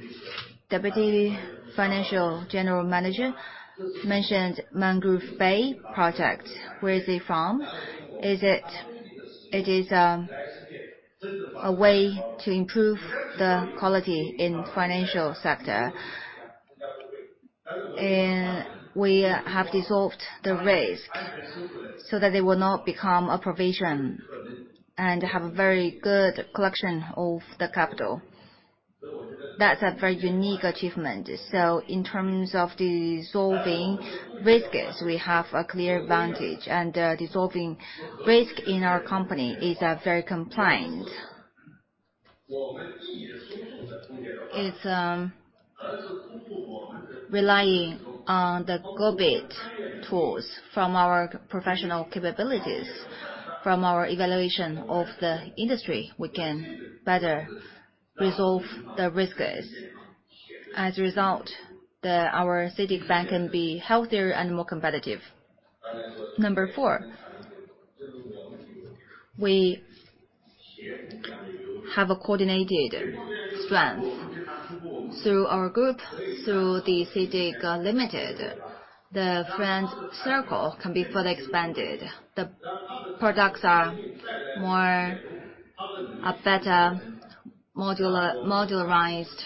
deputy financial general manager mentioned Mangrove Bay project. Where is it from? Is it a way to improve the quality in financial sector. We have dissolved the risk, so that they will not become a provision, and have a very good collection of the capital. That's a very unique achievement. So in terms of dissolving risks, we have a clear advantage, and dissolving risk in our company is very compliant. It's relying on the Gobit's tools from our professional capabilities. From our evaluation of the industry, we can better resolve the risks. As a result, our CITIC Bank can be healthier and more competitive. Number four, we have a coordinated strength through our group, through the CITIC Limited. The friend circle can be fully expanded. The products are more... A better modular, modularized,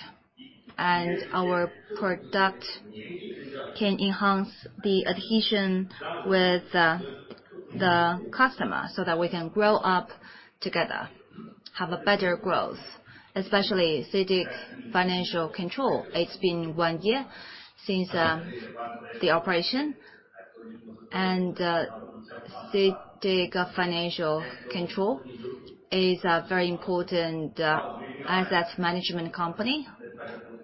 and our product can enhance the adhesion with the customer, so that we can grow up together, have a better growth, especially CITIC Financial Holdings. It's been one year since the operation, and CITIC Financial Holdings is a very important asset management company.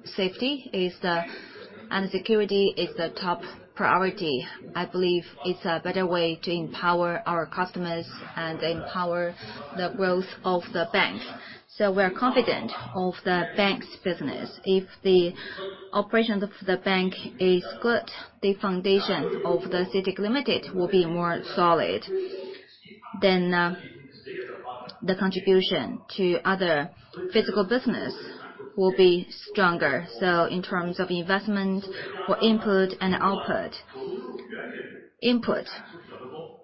Safety and security is the top priority. I believe it's a better way to empower our customers and empower the growth of the bank. So we're confident of the bank's business. If the operations of the bank is good, the foundation of the CITIC Limited will be more solid, then, the contribution to other physical business will be stronger. So in terms of investment for input and output, input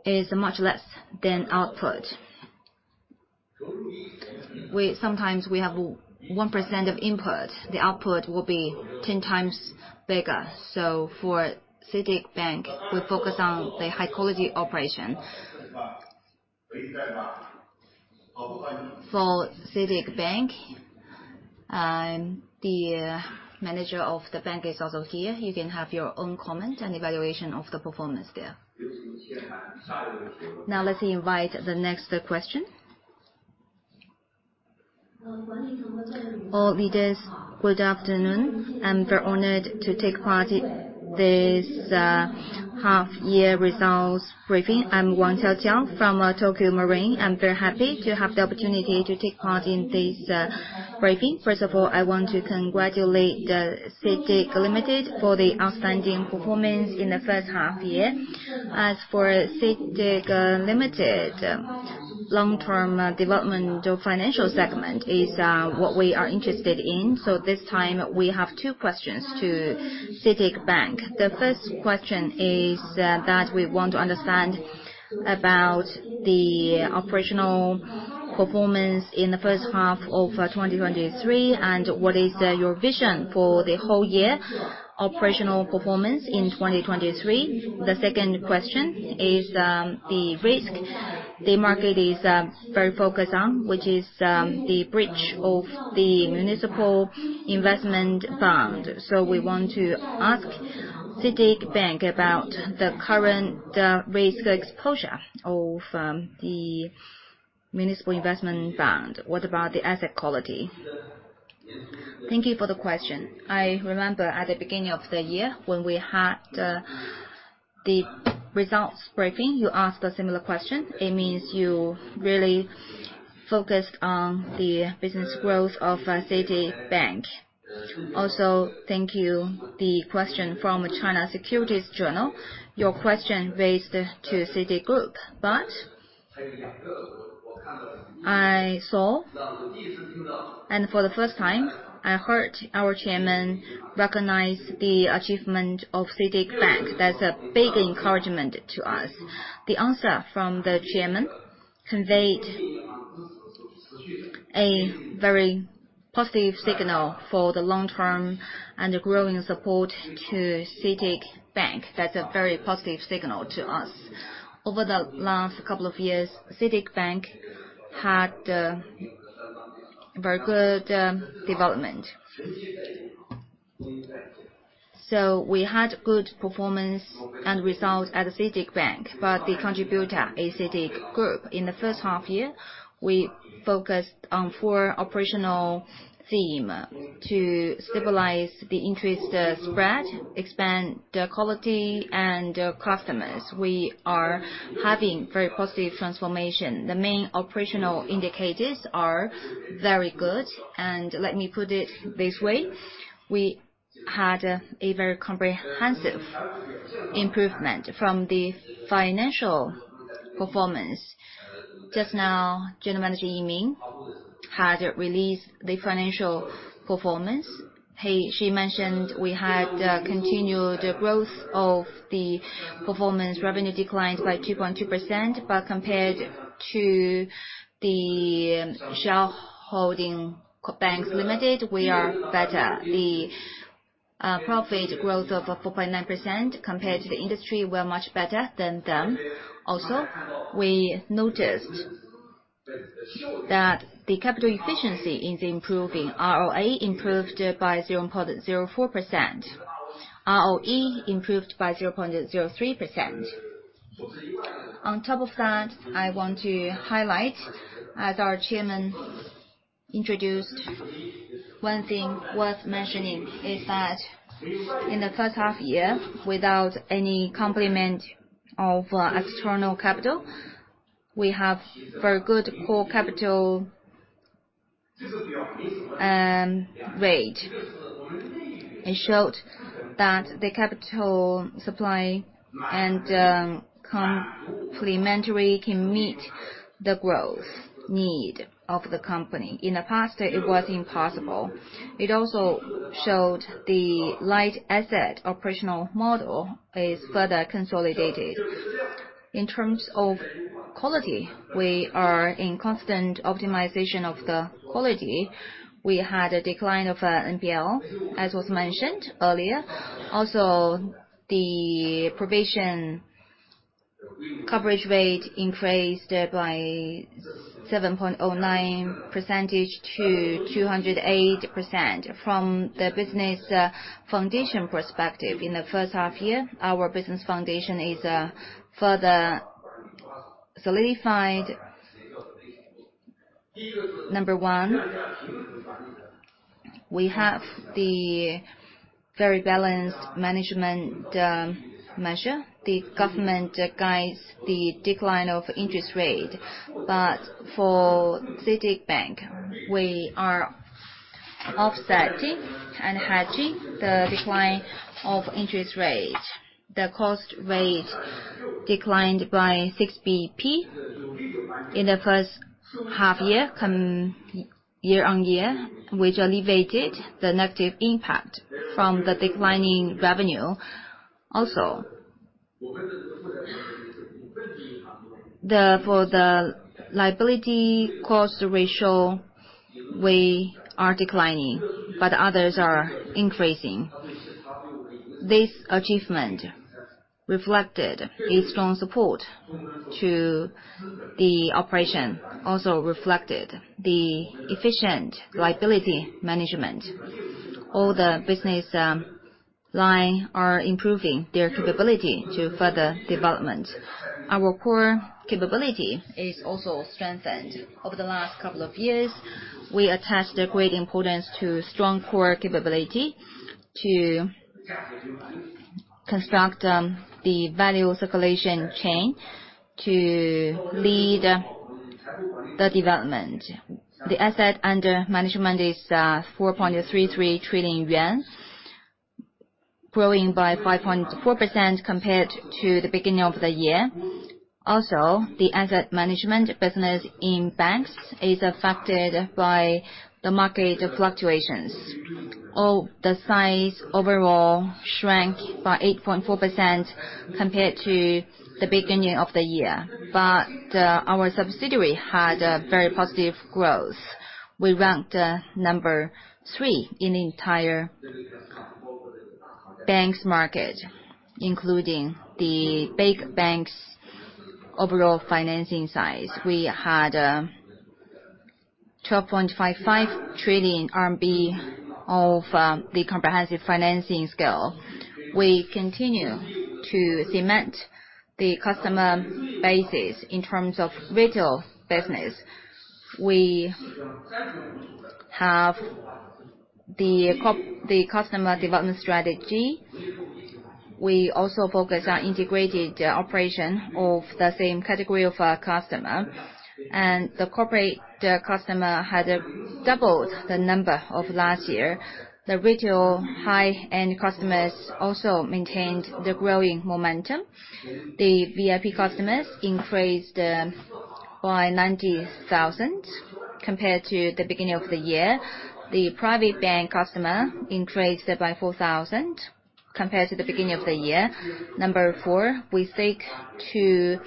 is much less than output. Sometimes we have 1% of input, the output will be ten times bigger. So for CITIC Bank, we focus on the high quality operation.... For CITIC Bank, the manager of the bank is also here. You can have your own comment and evaluation of the performance there. Now, let's invite the next question. All leaders, good afternoon. I'm very honored to take part in this, half-year results briefing. I'm Wang Xiaoqiao from, Tokyo Marine. I'm very happy to have the opportunity to take part in this, briefing. First of all, I want to congratulate CITIC Limited for the outstanding performance in the first half year. As for CITIC Limited, long-term development of financial segment is what we are interested in. So this time we have two questions to CITIC Bank. The first question is that we want to understand about the operational performance in the first half of 2023, and what is your vision for the whole year operational performance in 2023? The second question is the risk the market is very focused on, which is the breach of the municipal investment fund. So we want to ask CITIC Bank about the current risk exposure of the municipal investment fund. What about the asset quality? Thank you for the question. I remember at the beginning of the year, when we had the results briefing, you asked a similar question. It means you really focused on the business growth of CITIC Bank. Also, thank you, the question from China Securities Journal. Your question raised to CITIC Group. But I saw, and for the first time, I heard our chairman recognize the achievement of CITIC Bank. That's a big encouragement to us. The answer from the chairman conveyed a very positive signal for the long term and a growing support to CITIC Bank. That's a very positive signal to us. Over the last couple of years, CITIC Bank had very good development. So we had good performance and results at the CITIC Bank, but the contributor is CITIC Group. In the first half year, we focused on four operational themes to stabilize the interest spread, expand the quality and customers. We are having very positive transformation. The main operational indicators are very good, and let me put it this way, we had a very comprehensive improvement from the financial performance. Just now, General Manager Yining has released the financial performance. She mentioned we had continued growth of the performance. Revenue declined by 2.2%, but compared to the shareholding bank limited, we are better. The profit growth of 4.9% compared to the industry, we're much better than them. Also, we noticed that the capital efficiency is improving. ROA improved by 0.04%. ROE improved by 0.03%. On top of that, I want to highlight, as our chairman introduced, one thing worth mentioning is that in the first half year, without any complement of external capital, we have very good core capital rate. It showed that the capital supply and complementary can meet the growth need of the company. In the past, it was impossible. It also showed the light asset operational model is further consolidated. In terms of quality, we are in constant optimization of the quality. We had a decline of NPL, as was mentioned earlier. Also, the provision coverage rate increased by 7.09 percentage to 208%. From the business foundation perspective, in the first half year, our business foundation is further solidified. Number one, we have the very balanced management measure. The government guides the decline of interest rate, but for CITIC Bank, we are offsetting and hedging the decline of interest rate. The cost rate declined by 6 basis points in the first half year, compared year-on-year, which alleviated the negative impact from the declining revenue. Also, for the liability cost ratio, we are declining, but others are increasing. This achievement reflected a strong support to the operation, also reflected the efficient liability management. All the business line are improving their capability to further development. Our core capability is also strengthened. Over the last couple of years, we attached a great importance to strong core capability to construct, the value circulation chain to lead the development. The asset under management is 4.33 trillion yuan, growing by 5.4% compared to the beginning of the year. Also, the asset management business in banks is affected by the market fluctuations. All the size overall shrank by 8.4% compared to the beginning of the year, but our subsidiary had a very positive growth. We ranked number 3 in the entire banks market, including the big banks' overall financing size. We had 12.55 trillion RMB of the comprehensive financing scale. We continue to cement the customer bases. In terms of retail business, we have the customer development strategy. We also focus on integrated operation of the same category of our customer, and the corporate customer has doubled the number of last year. The retail high-end customers also maintained the growing momentum. The VIP customers increased by 90,000 compared to the beginning of the year. The private bank customer increased by 4,000 compared to the beginning of the year. Number 4, we seek to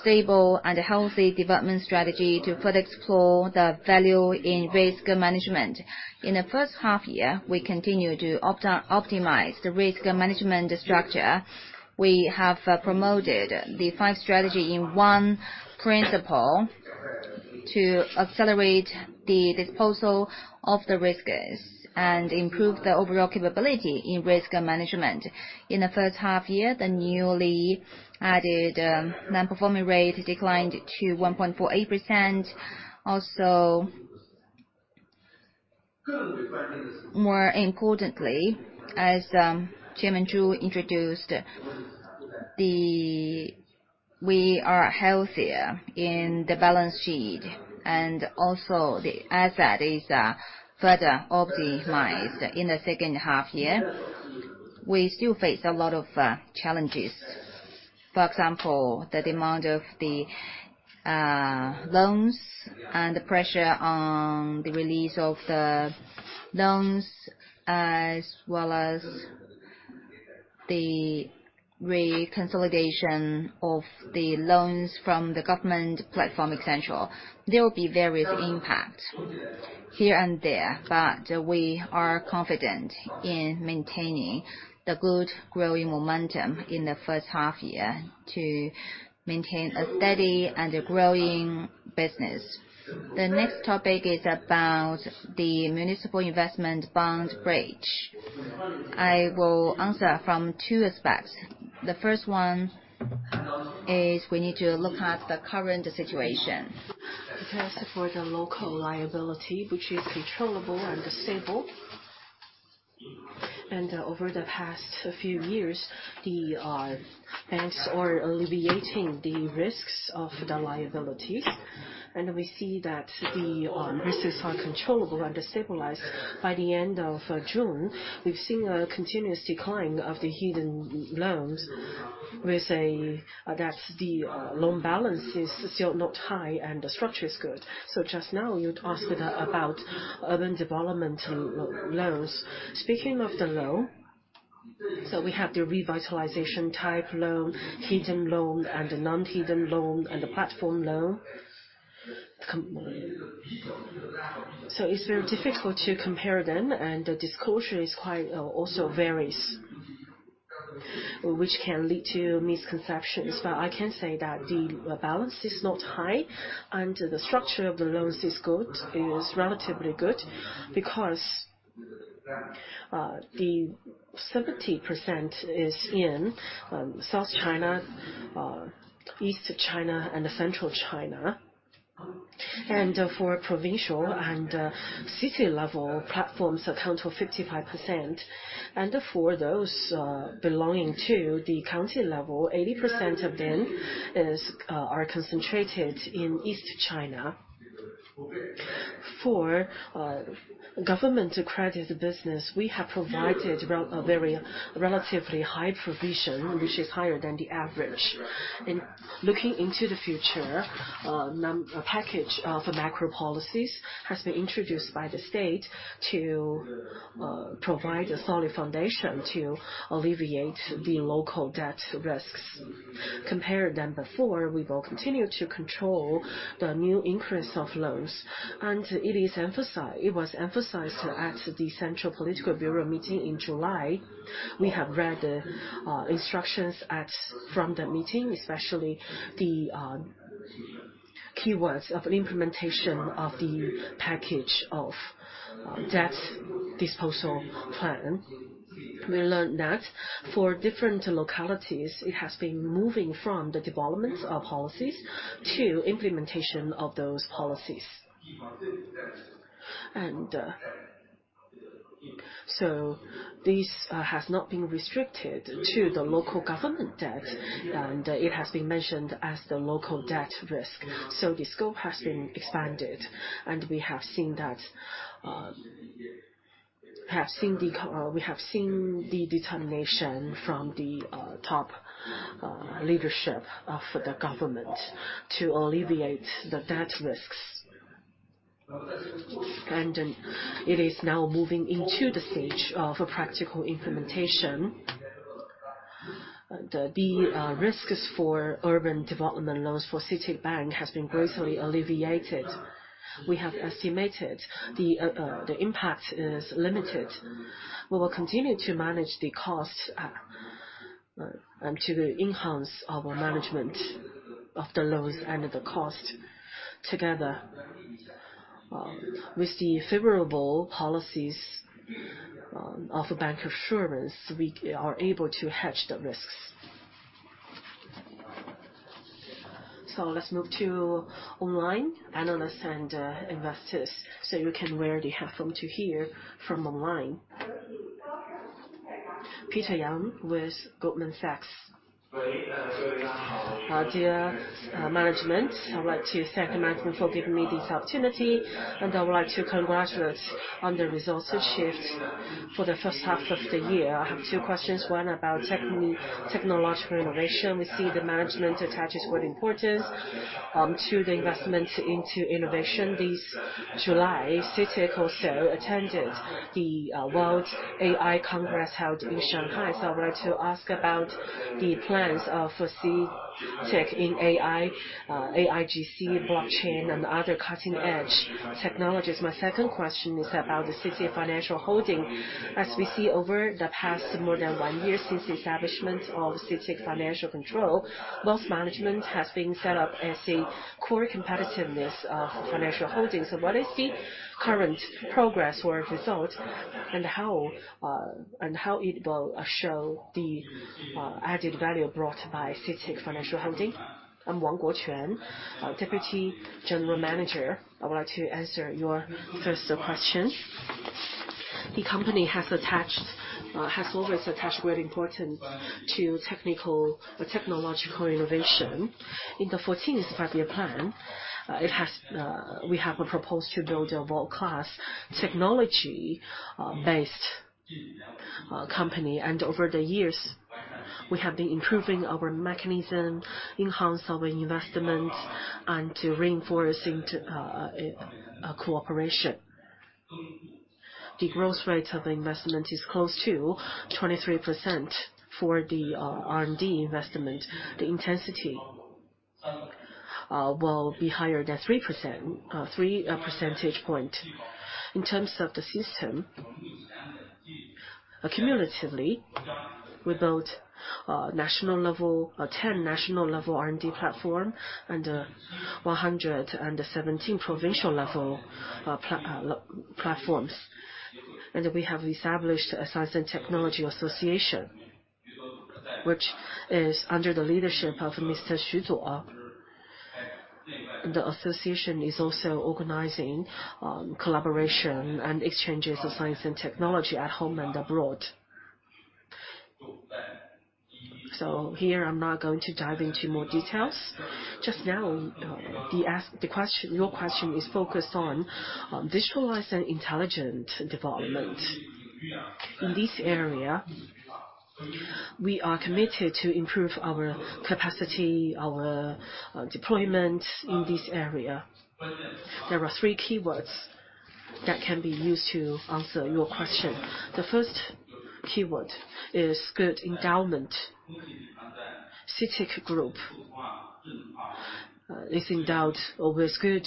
stable and healthy development strategy to further explore the value in risk management. In the first half year, we continued to optimize the risk management structure. We have promoted the five strategy in one principle to accelerate the disposal of the risks and improve the overall capability in risk management. In the first half year, the newly added non-performing rate declined to 1.48%. Also, more importantly, as Chairman Zhu introduced, we are healthier in the balance sheet, and also the asset is further optimized. In the second half year, we still face a lot of challenges. For example, the demand of the loans and the pressure on the release of the loans, as well as the reconsolidation of the loans from the government platform, et cetera. There will be various impact here and there, but we are confident in maintaining the good growing momentum in the first half year to maintain a steady and a growing business. The next topic is about the municipal investment bond bridge. I will answer from two aspects. The first one is we need to look at the current situation. As for the local liability, which is controllable and stable, and over the past few years, the banks are alleviating the risks of the liabilities, and we see that the risks are controllable and stabilized. By the end of June, we've seen a continuous decline of the hidden loans. We say that the loan balance is still not high and the structure is good. So just now, you asked about urban development loans. Speaking of the loan, so we have the revitalization type loan, hidden loan, and the non-hidden loan, and the platform loan. So it's very difficult to compare them, and the disclosure is quite also varies, which can lead to misconceptions. But I can say that the balance is not high, and the structure of the loans is good, is relatively good, because the 70% is in South China, East China, and Central China. And for provincial and city-level platforms account for 55%. And for those belonging to the county level, 80% of them is, are concentrated in East China. For government credit business, we have provided a very relatively high provision, which is higher than the average. In looking into the future, a package of macro policies has been introduced by the state to provide a solid foundation to alleviate the local debt risks. Compared than before, we will continue to control the new increase of loans, and it is emphasized — it was emphasized at the Central Political Bureau meeting in July. We have read the instructions from the meeting, especially the keywords of implementation of the package of debt disposal plan. We learned that for different localities, it has been moving from the development of policies to implementation of those policies. And so this has not been restricted to the local government debt, and it has been mentioned as the local debt risk. So the scope has been expanded, and we have seen that we have seen the determination from the top leadership of the government to alleviate the debt risks. And it is now moving into the stage of practical implementation. The risks for urban development loans for CITIC Bank has been greatly alleviated. We have estimated the impact is limited. We will continue to manage the costs, and to enhance our management of the loans and the cost together. With the favorable policies of Bancassurance, we are able to hedge the risks. So let's move to online analysts and, investors, so you can rarely hear from to here, from online. Peter Yang with Goldman Sachs. Dear management, I'd like to thank management for giving me this opportunity, and I would like to congratulate on the results for the first half of the year. I have two questions, one about technological innovation. We see the management attaches great importance to the investment into innovation. This July, CITIC also attended the World AI Congress held in Shanghai. So I would like to ask about the plans of CITIC in AI, AIGC, blockchain, and other cutting-edge technologies. My second question is about the CITIC Financial Holding. As we see over the past more than one year since the establishment of CITIC Financial Control, wealth management has been set up as a core competitiveness of financial holdings. So what is the current progress or result, and how, and how it will show the added value brought by CITIC Financial Holding? I'm Wang Guoquan, Deputy General Manager. I would like to answer your first question. The company has always attached great importance to technical or technological innovation. In the 14th Five-Year Plan, we have proposed to build a world-class technology-based company. And over the years, we have been improving our mechanism, enhance our investment, and to reinforcing to cooperation. The growth rate of investment is close to 23% for the R&D investment. The intensity will be higher than 3%, 3 percentage points. In terms of the system, accumulatively, we built national-level 10 national-level R&D platforms and 117 provincial-level platforms. We have established a Science and Technology Association, which is under the leadership of Mr. Xu Zuo. The association is also organizing collaboration and exchanges of Science and Technology at home and abroad. So here, I'm not going to dive into more details. Just now, the question, your question is focused on visualizing intelligent development. In this area, we are committed to improve our capacity, our deployment in this area. There are three keywords that can be used to answer your question. The first keyword is good endowment. CITIC Group is endowed with good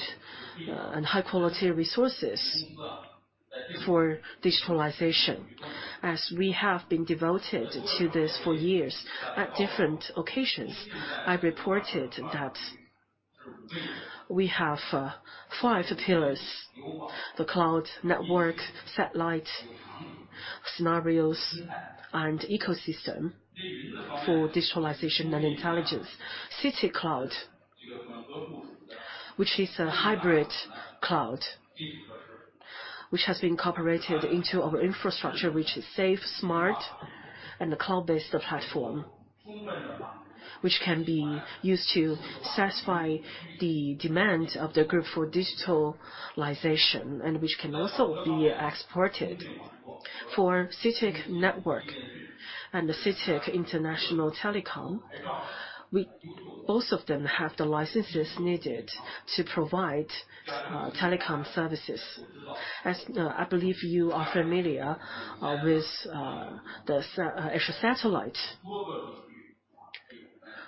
and high-quality resources for digitalization, as we have been devoted to this for years. At different occasions, I've reported that we have five pillars: the cloud, network, satellite, scenarios, and ecosystem for digitalization and intelligence. CITIC Cloud, which is a hybrid cloud, which has been cooperated into our infrastructure, which is safe, smart and the cloud-based platform, which can be used to satisfy the demand of the group for digitalization, and which can also be exported. For CITIC Network and the CITIC International Telecom, both of them have the licenses needed to provide telecom services. As I believe you are familiar with the satellite,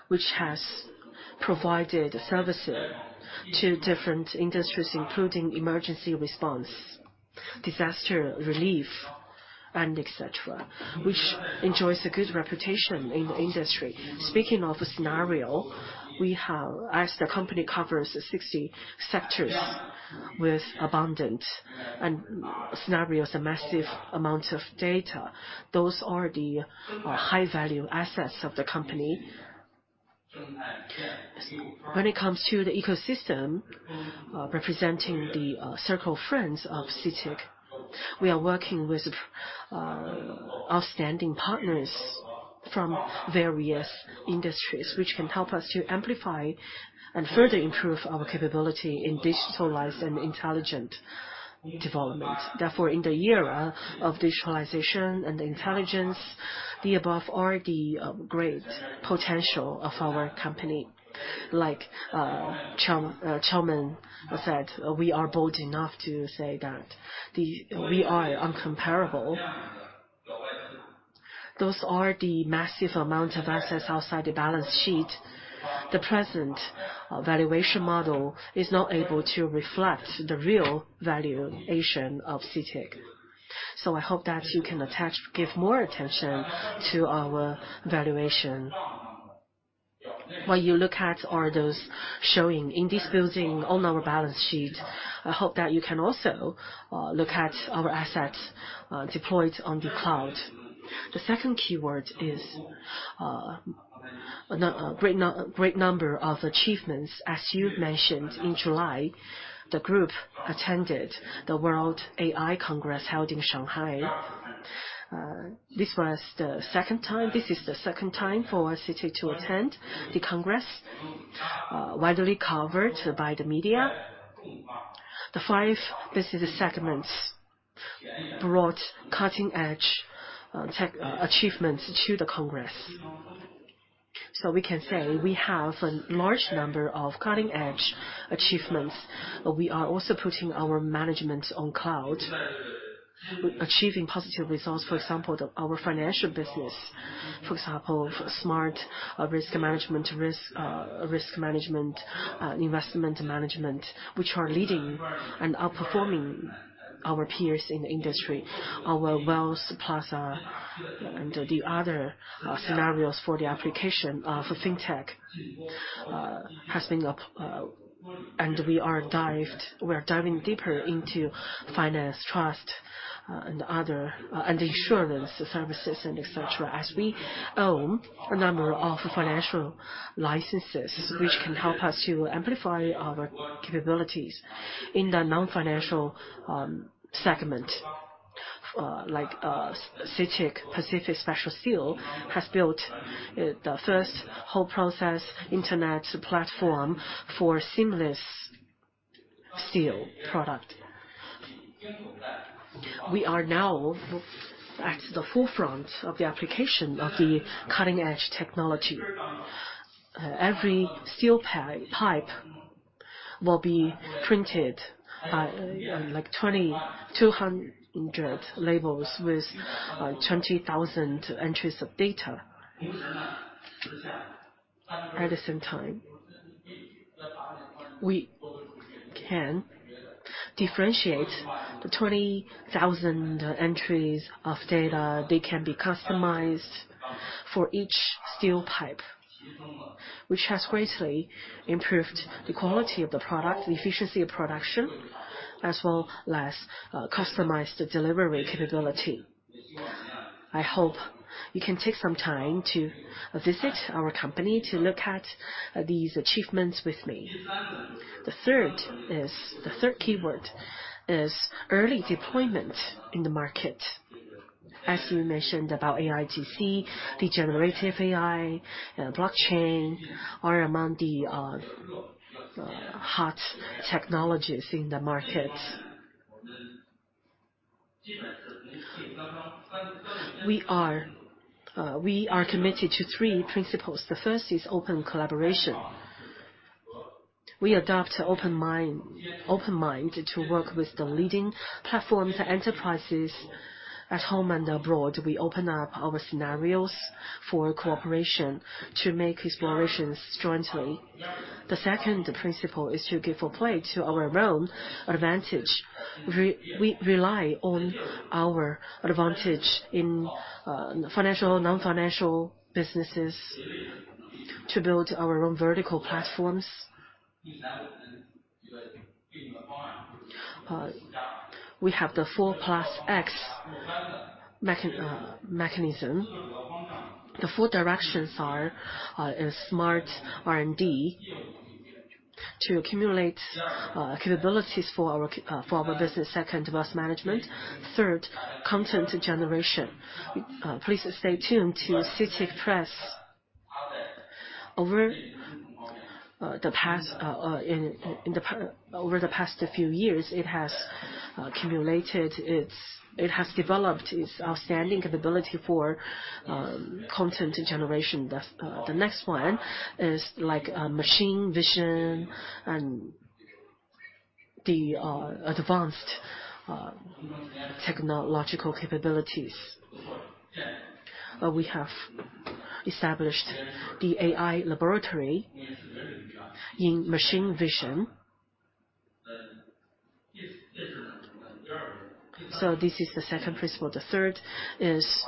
which has provided services to different industries, including emergency response, disaster relief, and etc., which enjoys a good reputation in the industry. Speaking of the scenario, we have—as the company covers 60 sectors with abundant and scenarios and massive amounts of data, those are the high-value assets of the company. When it comes to the ecosystem, representing the circle of friends of CITIC, we are working with outstanding partners from various industries, which can help us to amplify and further improve our capability in digitalized and intelligent development. Therefore, in the era of digitalization and intelligence, the above are the great potential of our company. Like, Chang Chairman said, "We are bold enough to say that the—we are incomparable." Those are the massive amount of assets outside the balance sheet. The present valuation model is not able to reflect the real valuation of CITIC. So I hope that you can attach—give more attention to our valuation. What you look at are those showing in this building, on our balance sheet. I hope that you can also look at our assets deployed on the cloud. The second keyword is the great number of achievements. As you mentioned, in July, the group attended the World AI Congress held in Shanghai. This is the second time for CITIC to attend the congress, widely covered by the media. The five business segments brought cutting-edge tech achievements to the congress. So we can say we have a large number of cutting-edge achievements, but we are also putting our management on cloud, achieving positive results. For example, our financial business, for example, smart risk management, risk management, investment management, which are leading and outperforming our peers in the industry. Our Wealth Plaza and the other scenarios for the application for Fintech has been up, and we are diving deeper into finance, trust, and other and insurance services and etc., as we own a number of financial licenses, which can help us to amplify our capabilities in the non-financial segment. Like, CITIC Pacific Special Steel has built the first whole process internet platform for seamless steel product. We are now at the forefront of the application of the cutting-edge technology. Every steel pipe will be printed like 2,200 labels with 20,000 entries of data. At the same time, we can differentiate the 20,000 entries of data. They can be customized for each steel pipe, which has greatly improved the quality of the product, the efficiency of production, as well as, customized delivery capability. I hope you can take some time to visit our company to look at, these achievements with me. The third keyword is early deployment in the market. As you mentioned about AIGC, the generative AI, blockchain, are among the, hot technologies in the market. We are committed to three principles. The first is open collaboration. We adopt an open mind to work with the leading platforms and enterprises at home and abroad. We open up our scenarios for cooperation to make explorations jointly. The second principle is to give full play to our own advantage. We rely on our advantage in financial, non-financial businesses to build our own vertical platforms. We have the four plus X mechanism. The four directions are smart R&D to accumulate capabilities for our business. Second, risk management. Third, content generation. Please stay tuned to CITIC Press. Over the past few years, it has developed its outstanding capability for content generation. That's the next one is like machine vision and the advanced technological capabilities. We have established the AI laboratory in machine vision. So this is the second principle. The third is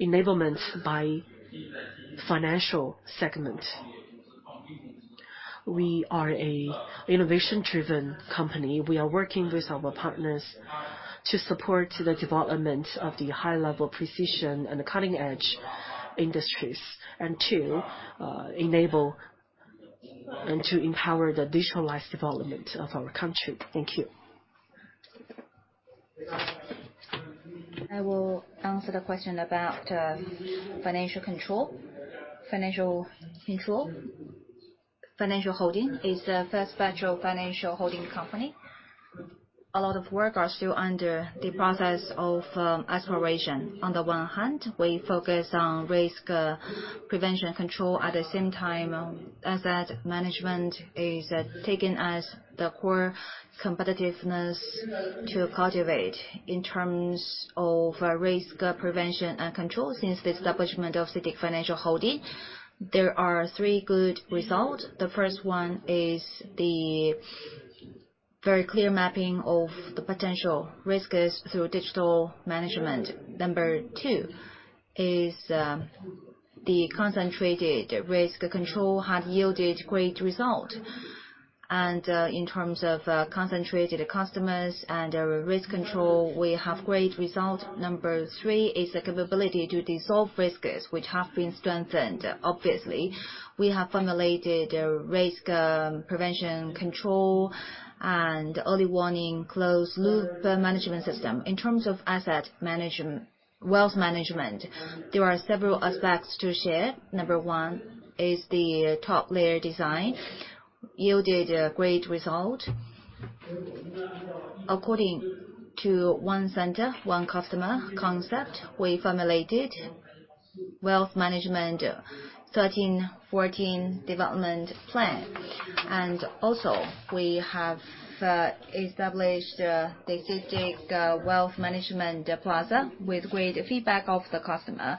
enablement by financial segment. We are an innovation-driven company. We are working with our partners to support the development of the high-level precision and cutting-edge industries, and to enable and to empower the digitalized development of our country. Thank you. I will answer the question about financial control. Financial control, financial holding, is the first batch of financial holding company. A lot of work are still under the process of exploration. On the one hand, we focus on risk prevention control. At the same time, asset management is taken as the core competitiveness to cultivate. In terms of risk prevention and control, since the establishment of CITIC Financial Holding, there are three good result. The first one is the very clear mapping of the potential risks through digital management. Number 2 is the concentrated risk control had yielded great result. And in terms of concentrated customers and risk control, we have great result. Number 3 is the capability to dissolve risks, which have been strengthened. Obviously, we have formulated a risk prevention, control, and early warning closed loop management system. In terms of asset management, wealth management, there are several aspects to share. Number one is the top layer design yielded a great result. According to one center, one customer concept, we formulated Wealth Management 13-14 development plan. And also, we have established the CITIC Wealth Plaza, with great feedback of the customer.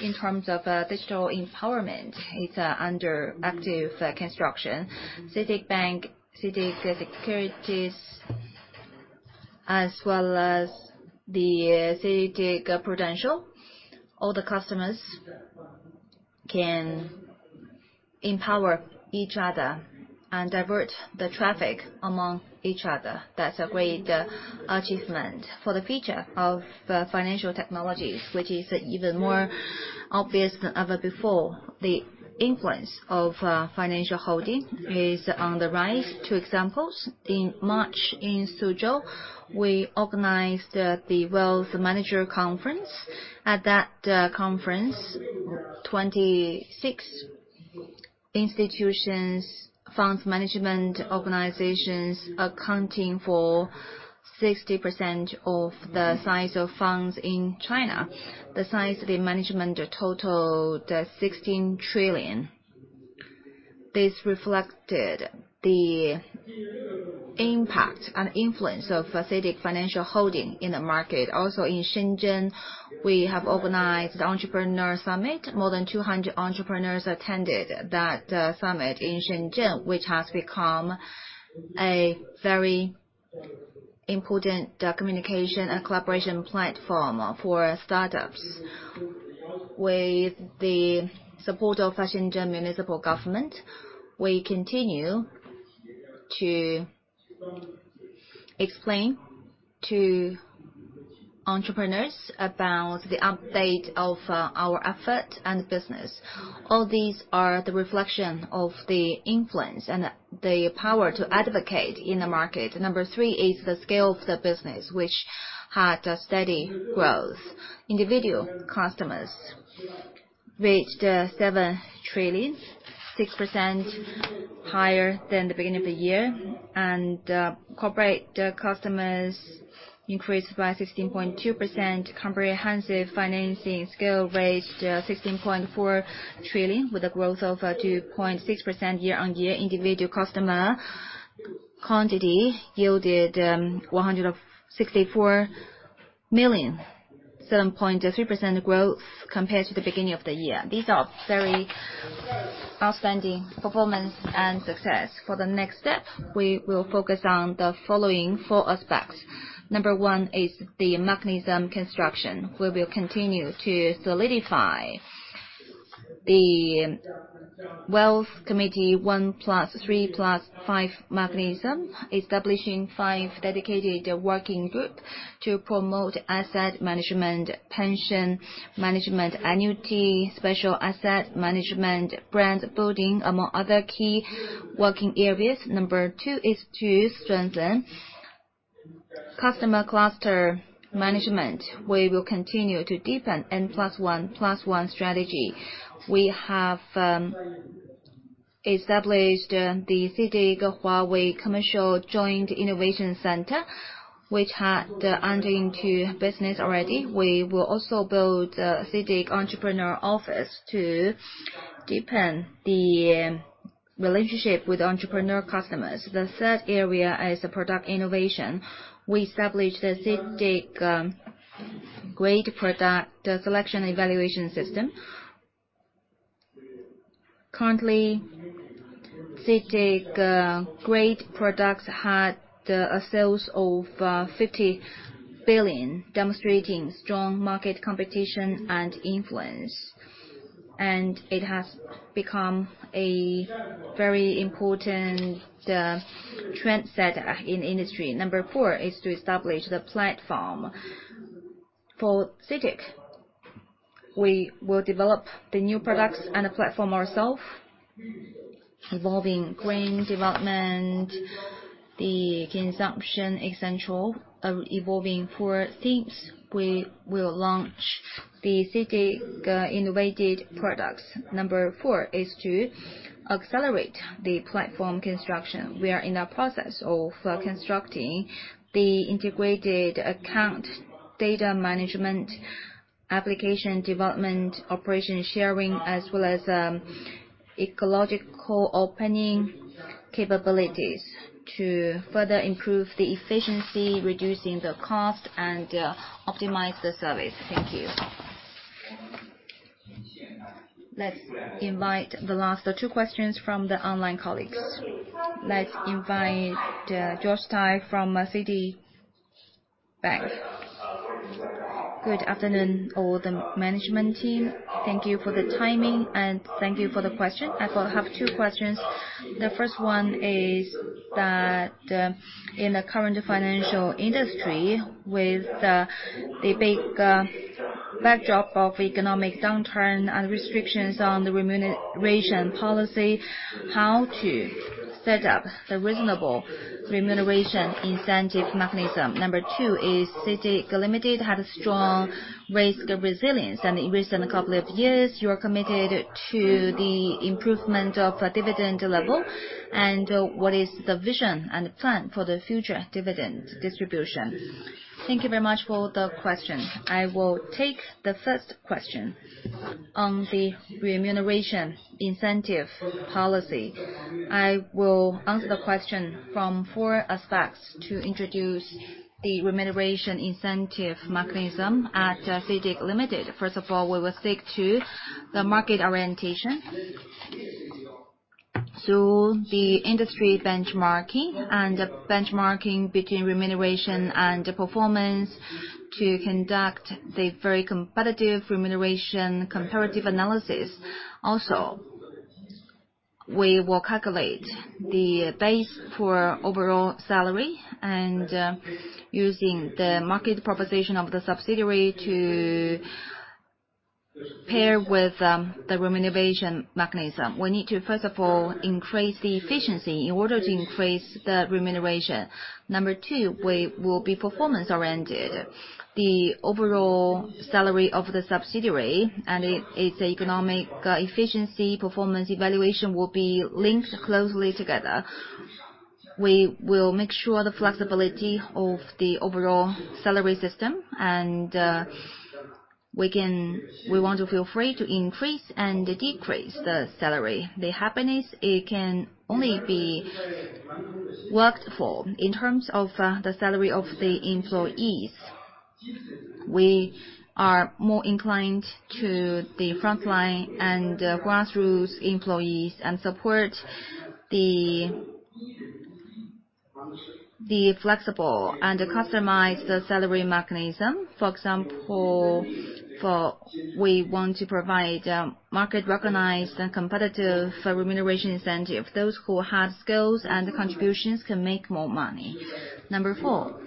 In terms of digital empowerment, it's under active construction. CITIC Bank, CITIC Securities, as well as the CITIC Prudential, all the customers can empower each other and divert the traffic among each other. That's a great achievement. For the future of financial technologies, which is even more obvious than ever before, the influence of financial holding is on the rise. Two examples: In March, in Suzhou, we organized the Wealth Manager Conference. At that conference, 26 institutions, funds management organizations, accounting for 60% of the size of funds in China. The size of the management totaled 16 trillion. This reflected the impact and influence of CITIC Financial Holding in the market. Also, in Shenzhen, we have organized the Entrepreneur Summit. More than 200 entrepreneurs attended that summit in Shenzhen, which has become a very important communication and collaboration platform for startups. With the support of Shenzhen Municipal Government, we continue to explain to entrepreneurs about the update of our effort and business. All these are the reflection of the influence and the power to advocate in the market. Number three is the scale of the business, which had a steady growth. Individual customers reached seven trillion, 6% higher than the beginning of the year, and corporate customers increased by 16.2%. Comprehensive financing scale raised 16.4 trillion, with a growth of 2.6% year-on-year. Individual customer quantity yielded 164 million, 7.3% growth compared to the beginning of the year. These are very outstanding performance and success. For the next step, we will focus on the following four aspects. Number one is the mechanism construction. We will continue to solidify the wealth committee, one plus three plus five mechanism, establishing five dedicated working group to promote asset management, pension management, annuity, special asset management, brand building, among other key working areas. Number two is to strengthen customer cluster management, we will continue to deepen N plus one plus one strategy. We have established the CITIC Huawei Commercial Joint Innovation Center, which had entered into business already. We will also build a CITIC Entrepreneur Office to deepen the relationship with entrepreneur customers. The third area is the product innovation. We established the CITIC Great Product selection evaluation system. Currently, CITIC Great Products had a sales of 50 billion, demonstrating strong market competition and influence, and it has become a very important trendsetter in industry. Number four is to establish the platform. For CITIC, we will develop the new products and the platform ourselves, involving green development, the consumption essential, involving four themes. We will launch the CITIC innovated products. Number four is to accelerate the platform construction. We are in the process of constructing the integrated account, data management, application development, operation sharing, as well as ecological opening capabilities to further improve the efficiency, reducing the cost, and optimize the service. Thank you. Let's invite the last two questions from the online colleagues. Let's invite George Tai from Citi. Good afternoon, all the management team. Thank you for the timing, and thank you for the question. I will have two questions. The first one is that in the current financial industry, with the big backdrop of economic downturn and restrictions on the remuneration policy, how to set up the reasonable remuneration incentive mechanism? Number two is, CITIC Limited had a strong risk resilience, and in recent couple of years, you are committed to the improvement of dividend level, and what is the vision and plan for the future dividend distribution? Thank you very much for the question. I will take the first question. On the remuneration incentive policy, I will answer the question from four aspects to introduce the remuneration incentive mechanism at CITIC Limited. First of all, we will stick to the market orientation. So the industry benchmarking and benchmarking between remuneration and performance to conduct the very competitive remuneration comparative analysis. Also, we will calculate the base for overall salary and using the market proposition of the subsidiary to pair with the remuneration mechanism. We need to, first of all, increase the efficiency in order to increase the remuneration. Number two, we will be performance-oriented. The overall salary of the subsidiary and it, its economic efficiency, performance evaluation will be linked closely together. We will make sure the flexibility of the overall salary system, and we want to feel free to increase and decrease the salary. The happiness, it can only be worked for. In terms of the salary of the employees, we are more inclined to the frontline and grassroots employees and support the, the flexible and customized salary mechanism. For example, we want to provide market-recognized and competitive remuneration incentive. Those who have skills and contributions can make more money. Number four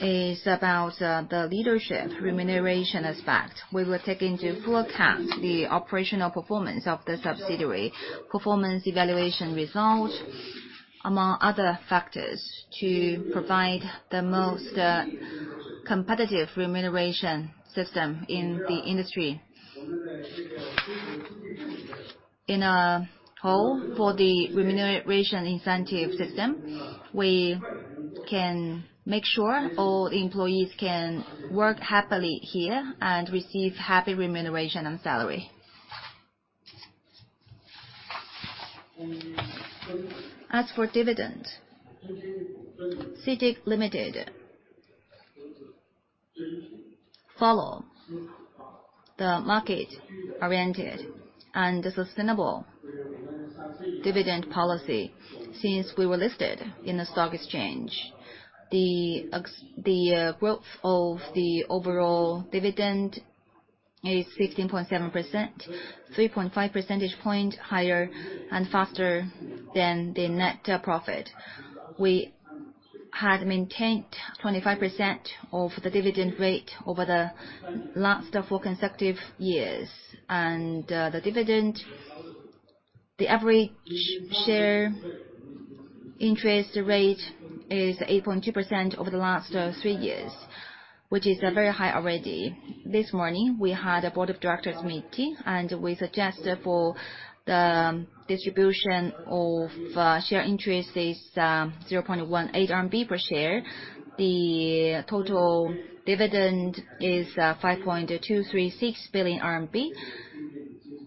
is about the leadership remuneration aspect. We will take into full account the operational performance of the subsidiary, performance evaluation result, among other factors, to provide the most competitive remuneration system in the industry. In a whole, for the remuneration incentive system, we can make sure all employees can work happily here and receive happy remuneration and salary. As for dividend, CITIC Limited follow the market-oriented and sustainable dividend policy since we were listed in the stock exchange. The growth of the overall dividend is 16.7%, 3.5 percentage points higher and faster than the net profit. We had maintained 25% of the dividend rate over the last four consecutive years, and the dividend. The average share interest rate is 8.2% over the last three years, which is very high already. This morning, we had a board of directors meeting, and we suggested for the distribution of share interest is 0.18 RMB per share. The total dividend is 5.236 billion RMB,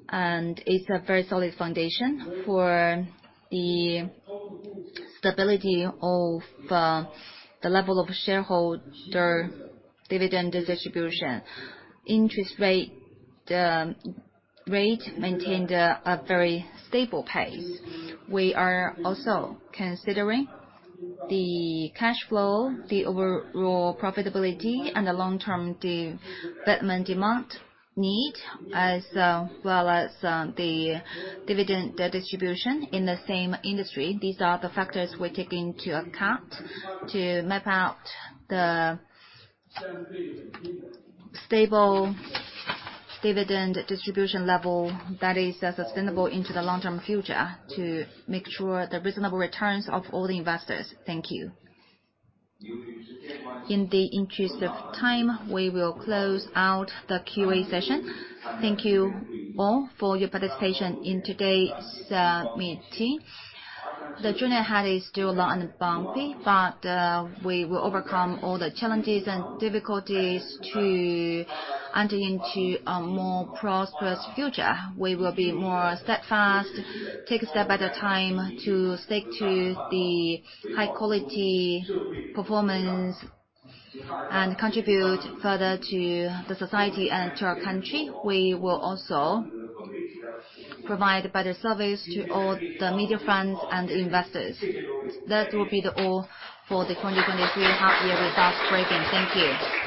and it's a very solid foundation for the stability of the level of shareholder dividend distribution. Interest rate, the rate maintained a very stable pace. We are also considering the cash flow, the overall profitability, and the long-term development demand need, as well as the dividend distribution in the same industry. These are the factors we take into account to map out the stable dividend distribution level that is sustainable into the long-term future, to make sure the reasonable returns of all the investors. Thank you. In the interest of time, we will close out the QA session. Thank you all for your participation in today's meeting. The journey ahead is still long and bumpy, but we will overcome all the challenges and difficulties to enter into a more prosperous future. We will be more steadfast, take a step at a time to stick to the high-quality performance, and contribute further to the society and to our country. We will also provide better service to all the media friends and investors. That will be all for the 2023 half-year results briefing. Thank you.